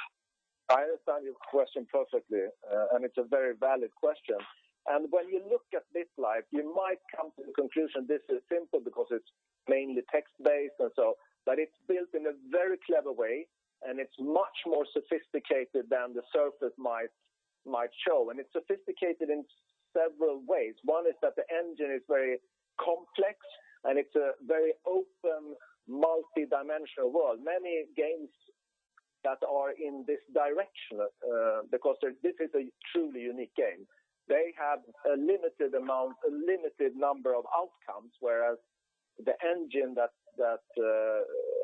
I understand your question perfectly. It's a very valid question. When you look at BitLife, you might come to the conclusion this is simple because it's mainly text-based or so, but it's built in a very clever way, and it's much more sophisticated than the surface might show. It's sophisticated in several ways. One is that the engine is very complex, and it's a very open, multidimensional world. Many games that are in this direction, because this is a truly unique game. They have a limited number of outcomes, whereas the engine that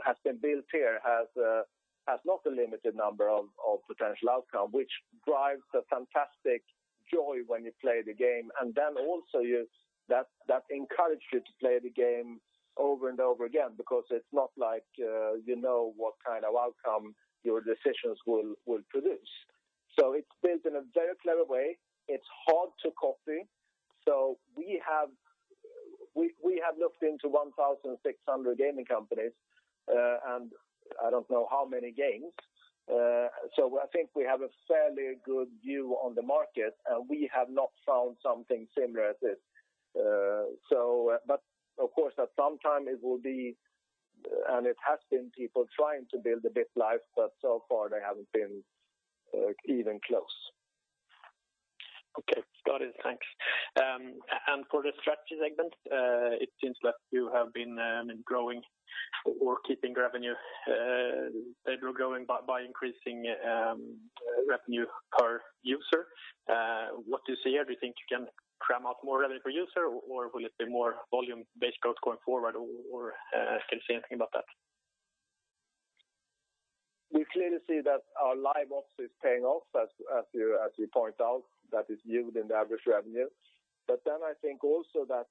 has been built here has not a limited number of potential outcomes, which drives a fantastic joy when you play the game. Then also that encourages you to play the game over and over again because it's not like you know what kind of outcome your decisions will produce. It's built in a very clever way. It's hard to copy. We have looked into 1,600 gaming companies, and I don't know how many games. I think we have a fairly good view on the market, and we have not found something similar as this. Of course, at some time it will be, and it has been people trying to build a BitLife, but so far they haven't been even close. Okay, got it. Thanks. For the strategy segment, it seems like you have been growing or keeping revenue, and you're growing by increasing revenue per user. What do you see? Everything you can cram out more revenue per user, or will it be more volume-based growth going forward, or can you say anything about that? We clearly see that our live ops is paying off as you point out, that is viewed in the average revenue. I think also that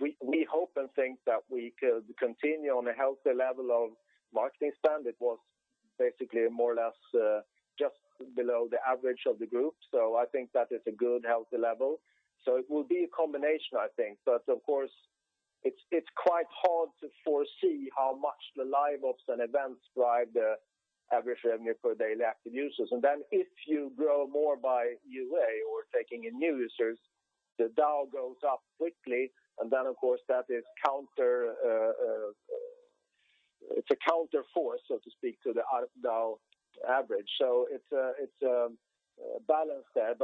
we hope and think that we could continue on a healthy level of marketing spend. It was basically more or less just below the average of the group. I think that is a good, healthy level. It will be a combination, I think, but of course, it's quite hard to foresee how much the live ops and events drive the average revenue per daily active users. If you grow more by UA or taking in new users, the DAU goes up quickly, and then, of course, that is a counterforce, so to speak, to the DAU average. It's a balance there.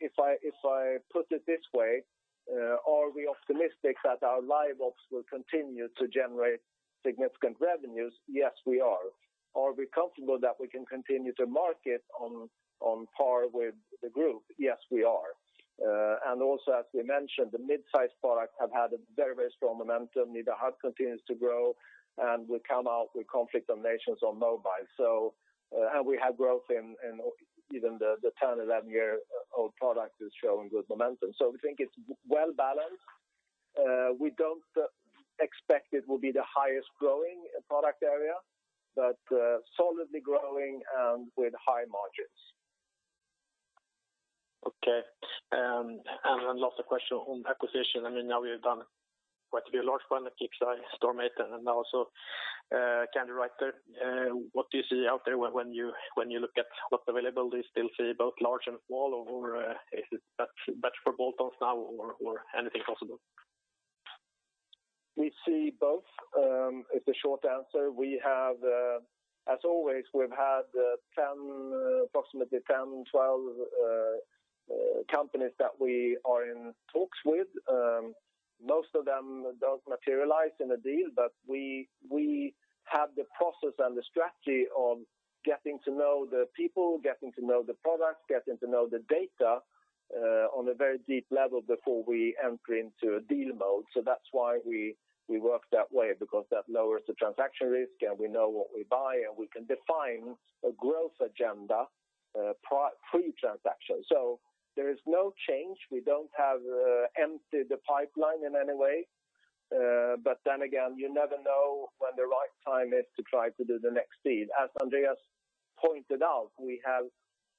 If I put it this way: are we optimistic that our live ops will continue to generate significant revenues? Yes, we are. Are we comfortable that we can continue to market on par with the group? Yes, we are. Also, as we mentioned, the midsize products have had a very strong momentum. "Nida" continues to grow, and we come out with "Conflict of Nations" on mobile. We have growth in even the 10, 11-year-old product is showing good momentum. We think it's well-balanced. We don't expect it will be the highest-growing product area, but solidly growing and with high margins. Okay. Last question on acquisition. Now we have done quite a large one at Kixeye, Storm8, and also Candywriter. What do you see out there when you look at what's available? Do you still see both large and small, or is it batch for bolt-ons now or anything possible? We see both, is the short answer. As always, we've had approximately 10, 12 companies that we are in talks with. Most of them don't materialize in a deal, but we have the process and the strategy of getting to know the people, getting to know the products, getting to know the data on a very deep level before we enter into a deal mode. That's why we work that way, because that lowers the transaction risk, and we know what we buy, and we can define a growth agenda pre-transaction. There is no change. We don't have emptied the pipeline in any way. You never know when the right time is to try to do the next deal. As Andreas pointed out, we have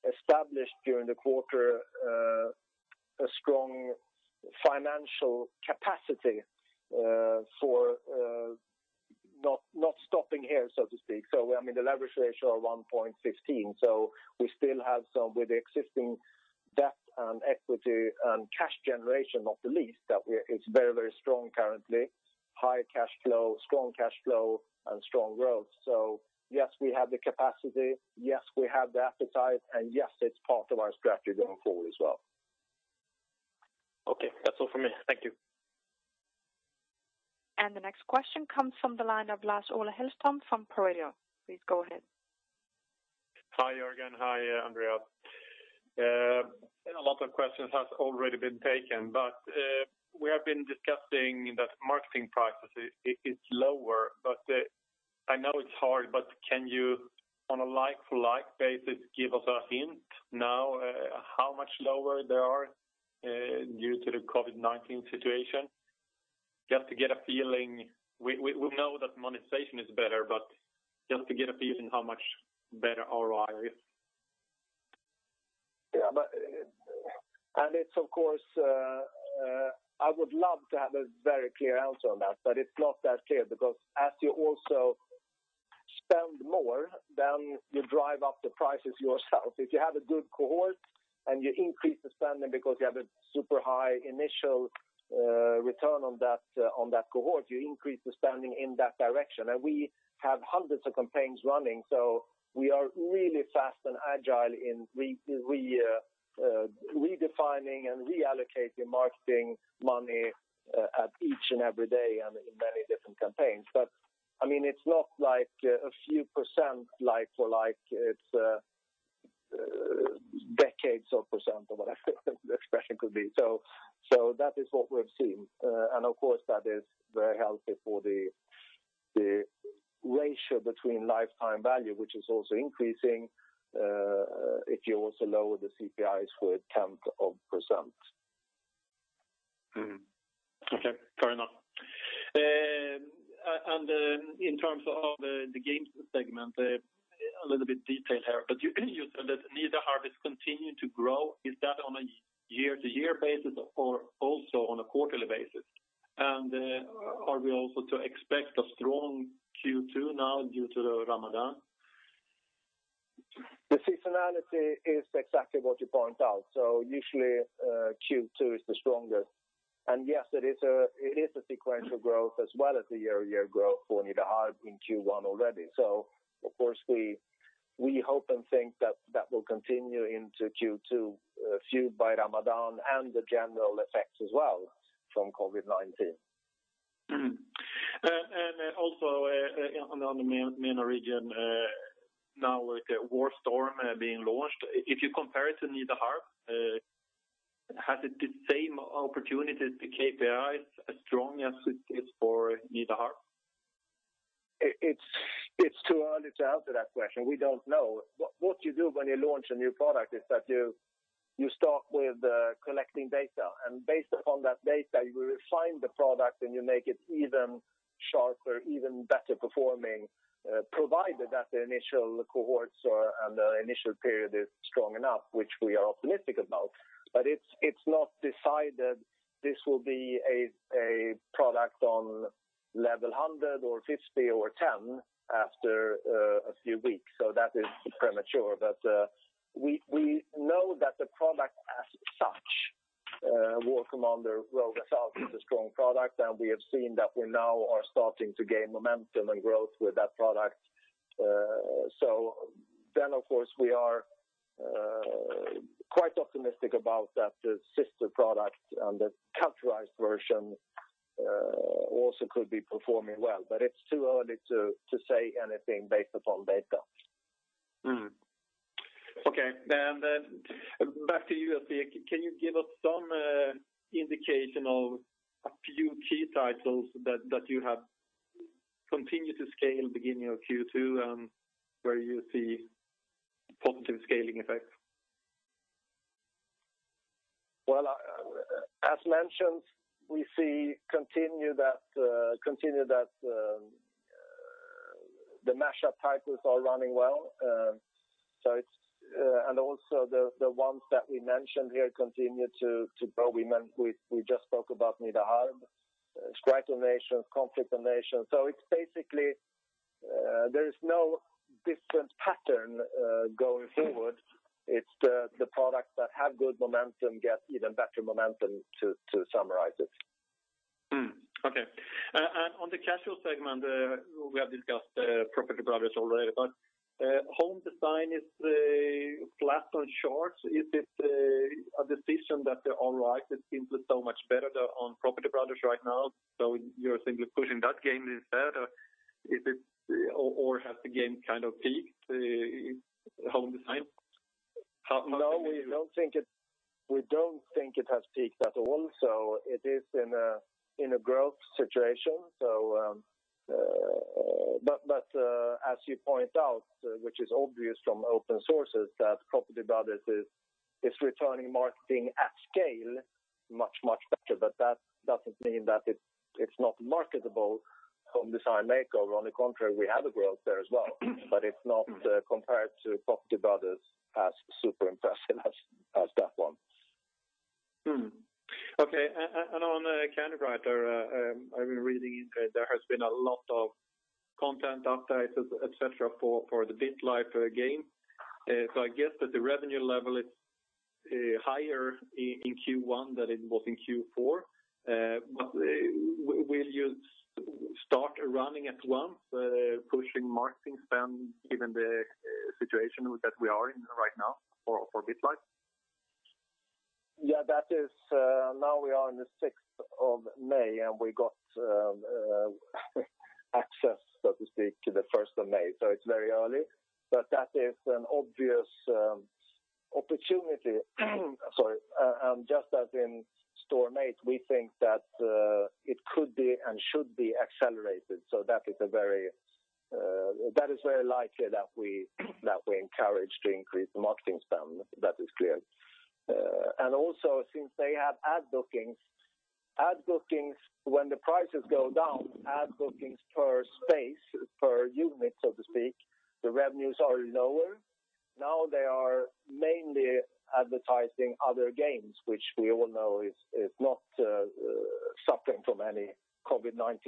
established during the quarter a strong financial capacity for not stopping here, so to speak. The leverage ratio of 1.15. We still have some with the existing debt and equity and cash generation, not the least, that it's very strong currently. High cash flow, strong cash flow, and strong growth. Yes, we have the capacity. Yes, we have the appetite. Yes, it's part of our strategy going forward as well. Okay. That's all from me. Thank you. The next question comes from the line of Lars-Ola Hellström from Pareto. Please go ahead. Hi, Jörgen. Hi, Andreas. A lot of questions have already been taken. We have been discussing that marketing prices is lower. I know it's hard. Can you, on a like-for-like basis, give us a hint now how much lower they are due to the COVID-19 situation? Just to get a feeling. We know that monetization is better. Just to get a feeling how much better ROI is. I would love to have a very clear answer on that, but it's not that clear because as you also spend more, then you drive up the prices yourself. If you have a good cohort and you increase the spending because you have a super high initial return on that cohort, you increase the spending in that direction. We have hundreds of campaigns running, so we are really fast and agile in redefining and reallocating marketing money each and every day and in many different campaigns. It's not like a few percent like for like, it's decades of percent or whatever the expression could be. That is what we've seen. Of course, that is very healthy for the ratio between lifetime value, which is also increasing, if you also lower the CPIs for tens of percent. Okay. Fair enough. In terms of the games segment, a little bit detailed here, but you said that Nida continues to grow. Is that on a year-over-year basis or also on a quarterly basis? Are we also to expect a strong Q2 now due to Ramadan? The seasonality is exactly what you point out. Usually, Q2 is the strongest. Yes, it is a sequential growth as well as the year-over-year growth for Nida in Q1 already. Of course, we hope and think that that will continue into Q2, fueled by Ramadan and the general effects as well from COVID-19. Also on the MENA region, now with "War Storm" being launched, if you compare it to "Nida," has it the same opportunities to KPIs as strong as it is for "Nida"? It's too early to answer that question. We don't know. What you do when you launch a new product is that You start with collecting data, and based upon that data, you refine the product and you make it even sharper, even better performing, provided that the initial cohorts or and the initial period is strong enough, which we are optimistic about. It's not decided this will be a product on level 100 or 50 or 10 after a few weeks. That is premature. We know that the product as such, Warlords of Ra, is a strong product, and we have seen that we now are starting to gain momentum and growth with that product. Of course, we are quite optimistic about that the sister product and the culturalized version also could be performing well. It's too early to say anything based upon data. Back to you. Can you give us some indication of a few key titles that you have continued to scale beginning of Q2, where you see positive scaling effects? As mentioned, we see continue that the mashup titles are running well. Also the ones that we mentioned here continue to grow. We just spoke about Midgard, Strike of Nations, Conflict of Nations. It's basically, there is no different pattern going forward. It's the products that have good momentum get even better momentum to summarize it. Okay. On the casual segment we have discussed Property Brothers already, but Home Design Makeover! is flat on charts. Is it a decision that they're all right, it seems so much better on Property Brothers right now, so you're simply pushing that game instead, or has the game kind of peaked, Home Design Makeover!? We don't think it has peaked at all. It is in a growth situation. As you point out, which is obvious from open sources, that Property Brothers is returning marketing at scale much, much better. That doesn't mean that it's not marketable, Home Design Makeover. On the contrary, we have a growth there as well, but it's not compared to Property Brothers as super impressive as that one. Okay. On Candywriter I've been reading there has been a lot of content updates, et cetera, for the BitLife game. I guess that the revenue level is higher in Q1 than it was in Q4. Will you start running at once pushing marketing spend given the situation that we are in right now for BitLife? Yeah, now we are in the 6th of May, and we got access, so to speak, the 1st of May, so it's very early. That is an obvious opportunity. Sorry. Just as in Storm8, we think that it could be and should be accelerated. That is very likely that we encourage to increase the marketing spend. That is clear. Also since they have ad bookings. Ad bookings, when the prices go down, ad bookings per space, per unit, so to speak, the revenues are lower. Now they are mainly advertising other games, which we all know is not suffering from any COVID-19,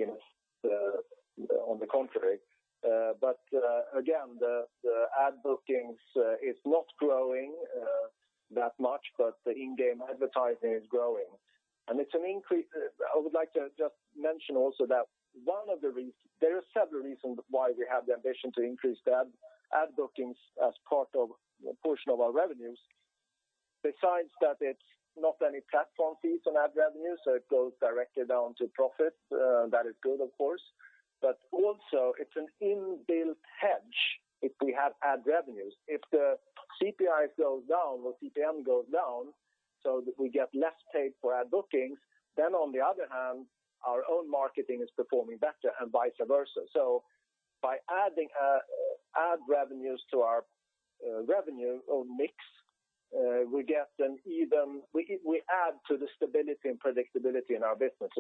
on the contrary. Again, the ad bookings is not growing that much, but the in-game advertising is growing. It's an increase. I would like to just mention also that there are several reasons why we have the ambition to increase the ad bookings as part of a portion of our revenues. Besides that, it's not any platform fees on ad revenue, so it goes directly down to profit. That is good of course. Also it's an inbuilt hedge if we have ad revenues. If the CPI goes down or CPM goes down, so we get less paid for ad bookings. On the other hand, our own marketing is performing better and vice versa. By adding ad revenues to our revenue or mix, we add to the stability and predictability in our business.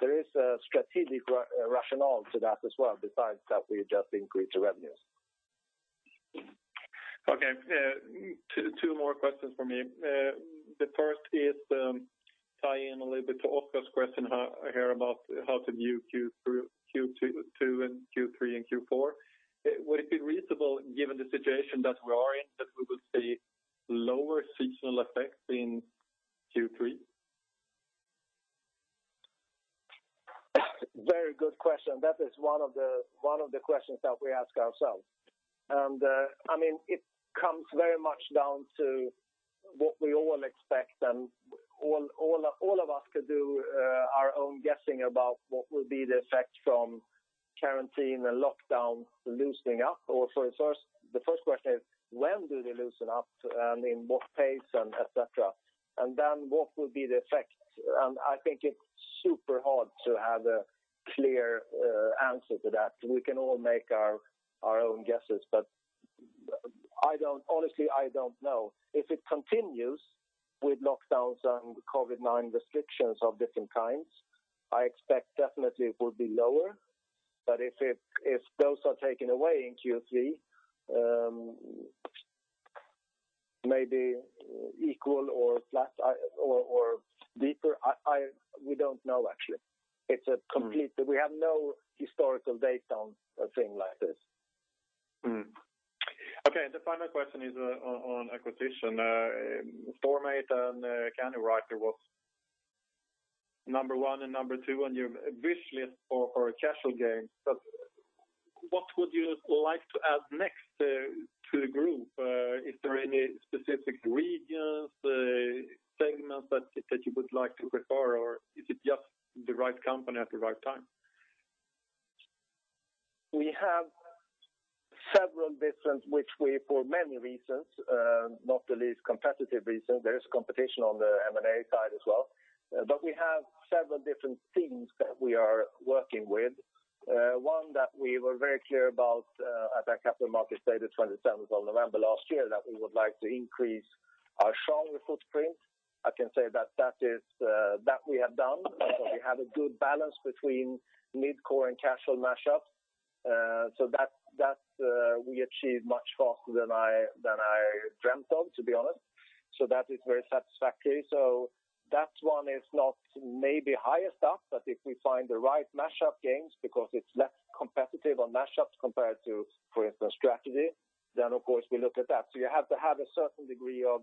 There is a strategic rationale to that as well, besides that we just increase the revenues. Okay. Two more questions from me. The first is tie in a little bit to Oskar's question here about how to view Q2 and Q3 and Q4. Would it be reasonable given the situation that we are in, that we will see lower seasonal effects in Q3? Very good question. That is one of the questions that we ask ourselves. It comes very much down to what we all expect, and all of us could do our own guessing about what will be the effect from quarantine and lockdown loosening up. The first question is, when do they loosen up, and in what pace and et cetera. What will be the effect? I think it's super hard to have a clear answer to that. We can all make our own guesses, but honestly, I don't know. If it continues with lockdowns and COVID-19 restrictions of different kinds, I expect definitely it will be lower. If those are taken away in Q3, maybe equal or flat or deeper, we don't know, actually. We have no historical data on a thing like this. Okay. The final question is on acquisition. Storm8 and Candywriter was number one and number two on your wish list for casual games. What would you like to add next to the group? Is there any specific regions, segments that you would like to refer, or is it just the right company at the right time? We have several different, which we, for many reasons, not the least competitive reason, there is competition on the M&A side as well. We have several different themes that we are working with. One that we were very clear about at that capital market status, 27th of November last year, that we would like to increase our stronger footprint. I can say that we have done. We have a good balance between mid-core and casual mashups. That we achieved much faster than I dreamt of, to be honest. That is very satisfactory. That one is not maybe highest up, but if we find the right mashup games, because it's less competitive on mashups compared to, for instance, strategy, then of course we look at that. You have to have a certain degree of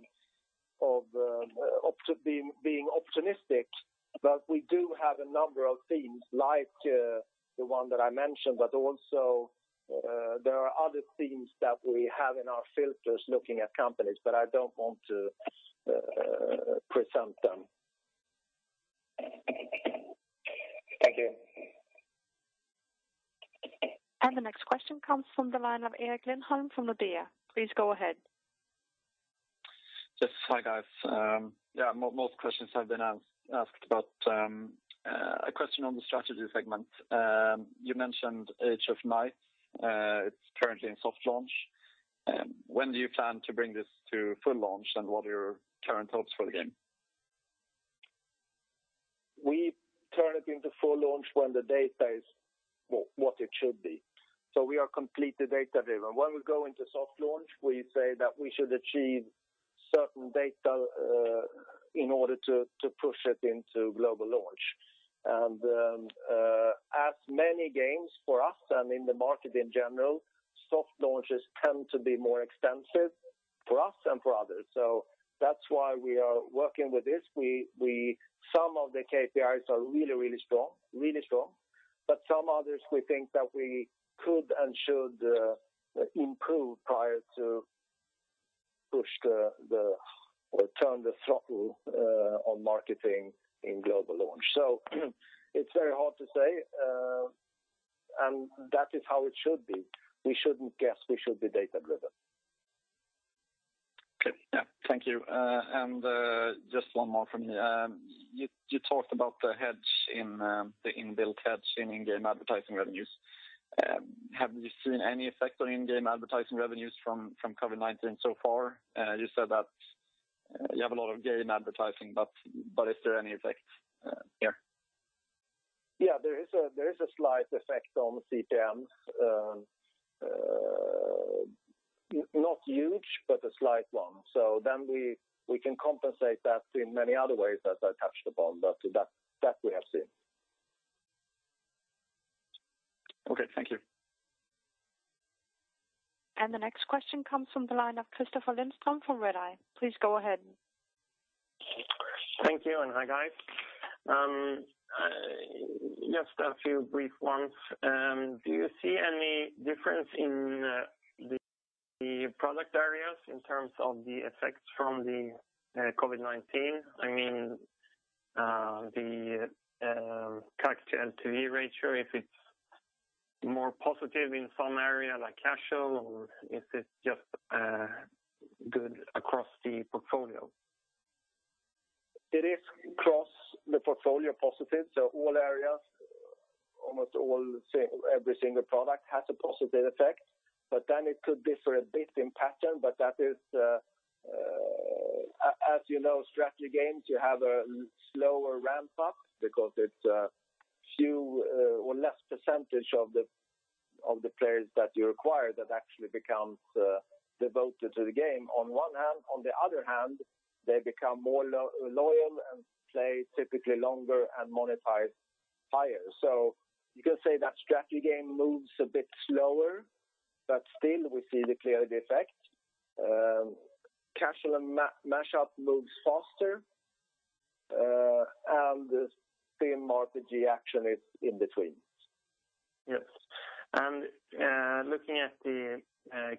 being optimistic. We do have a number of themes like the one that I mentioned, but also there are other themes that we have in our filters looking at companies. I don't want to presumpt them. Thank you. The next question comes from the line of Erik Lindholm-Röjestål from Nordea. Please go ahead. Just hi, guys. Most questions have been asked. A question on the strategy segment. You mentioned Age of Might, it's currently in soft launch. When do you plan to bring this to full launch, and what are your current hopes for the game? We turn it into full launch when the data is what it should be. We are completely data-driven. When we go into soft launch, we say that we should achieve certain data in order to push it into global launch. As many games for us and in the market in general, soft launches tend to be more expensive for us and for others. That's why we are working with this. Some of the KPIs are really strong. Some others we think that we could and should improve prior to turn the throttle on marketing in global launch. It's very hard to say, and that is how it should be. We shouldn't guess. We should be data-driven. Okay. Thank you. Just one more from me. You talked about the inbuilt hedge in in-game advertising revenues. Have you seen any effect on in-game advertising revenues from COVID-19 so far? You said that you have a lot of game advertising, but is there any effect here? Yeah, there is a slight effect on CPM. Not huge, but a slight one. We can compensate that in many other ways, as I touched upon. That we have seen. Okay. Thank you. The next question comes from the line of Kristoffer Lindström from Redeye. Please go ahead. Thank you. Hi, guys. Just a few brief ones. Do you see any difference in the product areas in terms of the effects from the COVID-19? I mean, the CAC to LTV ratio, if it's more positive in some area like casual, or is it just good across the portfolio? It is across the portfolio positive, so all areas, almost every single product has a positive effect. It could differ a bit in pattern, but that is, as you know, strategy games, you have a slower ramp up because it is few or less percentage of the players that you acquire that actually become devoted to the game on one hand. On the other hand, they become more loyal and play typically longer and monetize higher. You can say that strategy game moves a bit slower, but still we see the clear effect. Casual and mashup moves faster, and the same RPG action is in between. Yes. Looking at the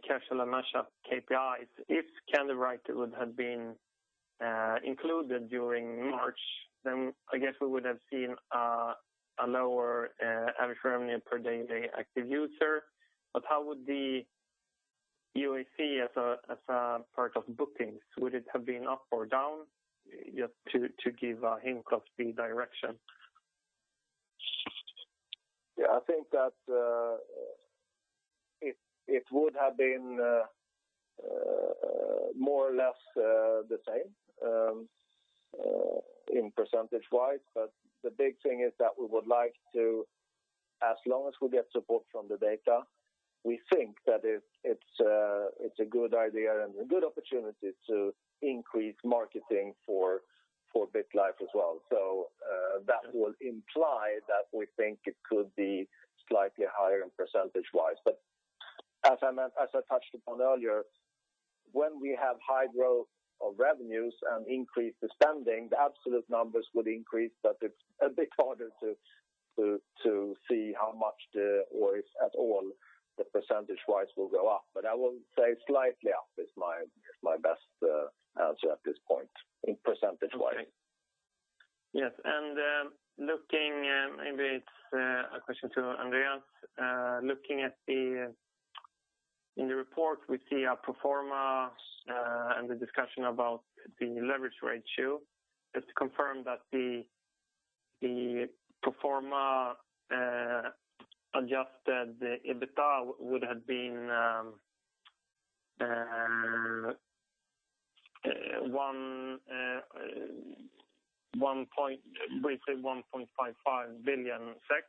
casual and mashup KPIs, if Candywriter would have been included during March, then I guess we would have seen a lower average revenue per daily active user. How would UAC as a part of bookings, would it have been up or down? Just to give a hint of the direction. Yeah, I think that it would have been more or less the same in percentage-wise. The big thing is that we would like to, as long as we get support from the data, we think that it's a good idea and a good opportunity to increase marketing for BitLife as well. That will imply that we think it could be slightly higher in percentage-wise. As I touched upon earlier, when we have high growth of revenues and increase the spending, the absolute numbers would increase, but it's a bit harder to see how much the, or if at all, the percentage-wise will go up. I will say slightly up is my best answer at this point in percentage-wise. Yes. Maybe it's a question to Andreas. In the report, we see a pro forma and the discussion about the leverage ratio. Just to confirm that the pro forma adjusted EBITDA would have been briefly 1.55 billion SEK,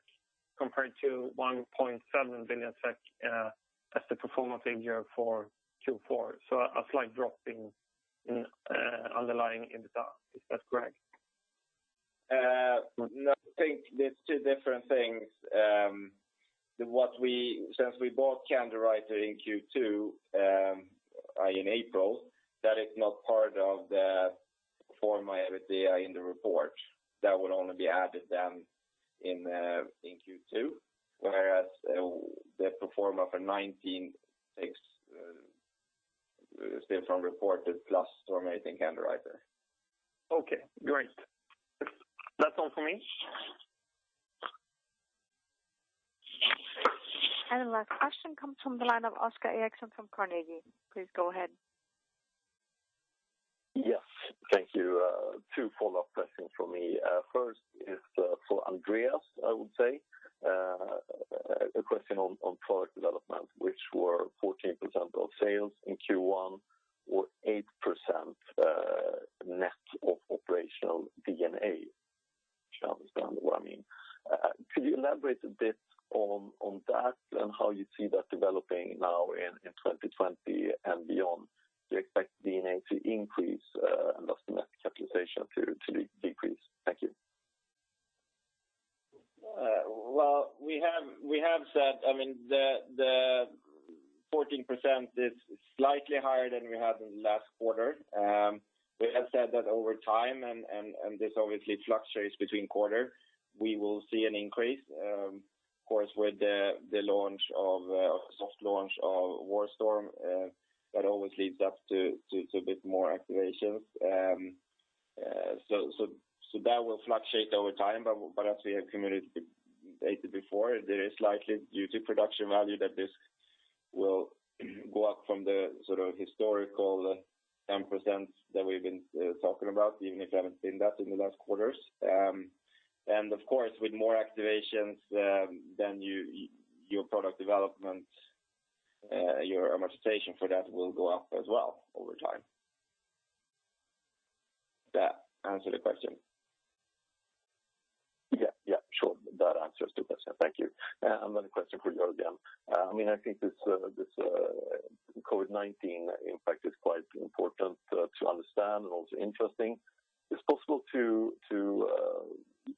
compared to 1.7 billion SEK as the pro forma figure for Q4. A slight drop in underlying EBITDA. Is that correct? No, I think there's two different things. Since we bought Candywriter in Q2, in April, that is not part of the pro forma EBITDA in the report. That would only be added then in Q2, whereas the pro forma for 2019 takes Stillfront from reported plus Storm8 and Candywriter. Okay, great. That's all for me. The last question comes from the line of Oscar Erixon from Carnegie. Please go ahead. Yes. Thank you. Two follow-up questions from me. First is for Andreas, I would say, a question on product development, which were 14% of sales in Q1 or 8% net of operational D&A. If you understand what I mean. Could you elaborate a bit on that and how you see that developing now in 2020 and beyond? Do you expect D&A to increase and thus net capitalization to decrease? Thank you. We have said, the 14% is slightly higher than we had in the last quarter. We have said that over time, and this obviously fluctuates between quarters, we will see an increase. With the soft launch of War Storm, that always leads up to a bit more activations. That will fluctuate over time, but as we have communicated before, there is likely, due to production value, that this will go up from the historical 10% that we've been talking about, even if we haven't seen that in the last quarters. With more activations, your product development, your amortization for that will go up as well over time. Does that answer the question? Yeah. Sure. That answers the question. Thank you. Another question for you, again. I think this COVID-19 impact is quite important to understand and also interesting.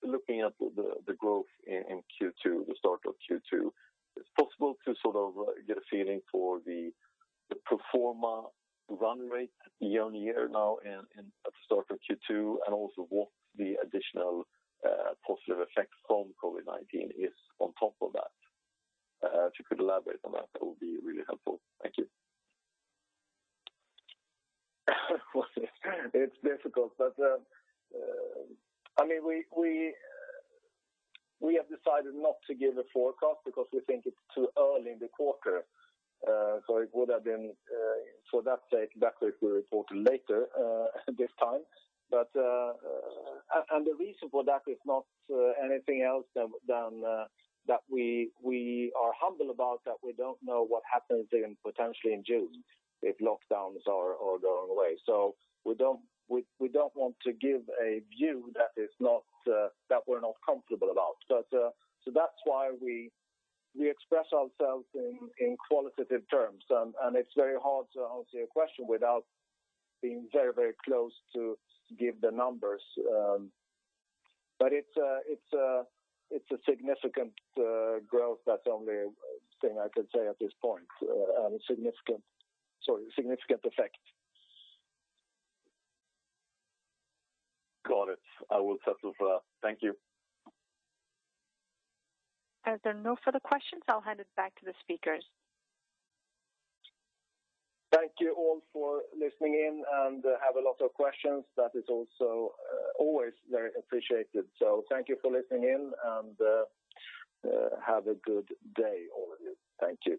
Looking at the growth in Q2, the start of Q2, is it possible to get a feeling for the pro forma run rate year-on-year now at the start of Q2, and also what the additional positive effect from COVID-19 is on top of that? If you could elaborate on that would be really helpful. Thank you. It's difficult. We have decided not to give a forecast because we think it's too early in the quarter. It would have been for that sake better if we reported later this time. The reason for that is not anything else than that we are humble about that we don't know what happens even potentially in June if lockdowns are going away. We don't want to give a view that we're not comfortable about. That's why we express ourselves in qualitative terms, and it's very hard to answer your question without being very close to give the numbers. It's a significant growth. That's the only thing I could say at this point. Sorry, significant effect. Got it. I will settle for that. Thank you. As there are no further questions, I will hand it back to the speakers. Thank you all for listening in and have a lot of questions. That is also always very appreciated. Thank you for listening in and have a good day, all of you. Thank you.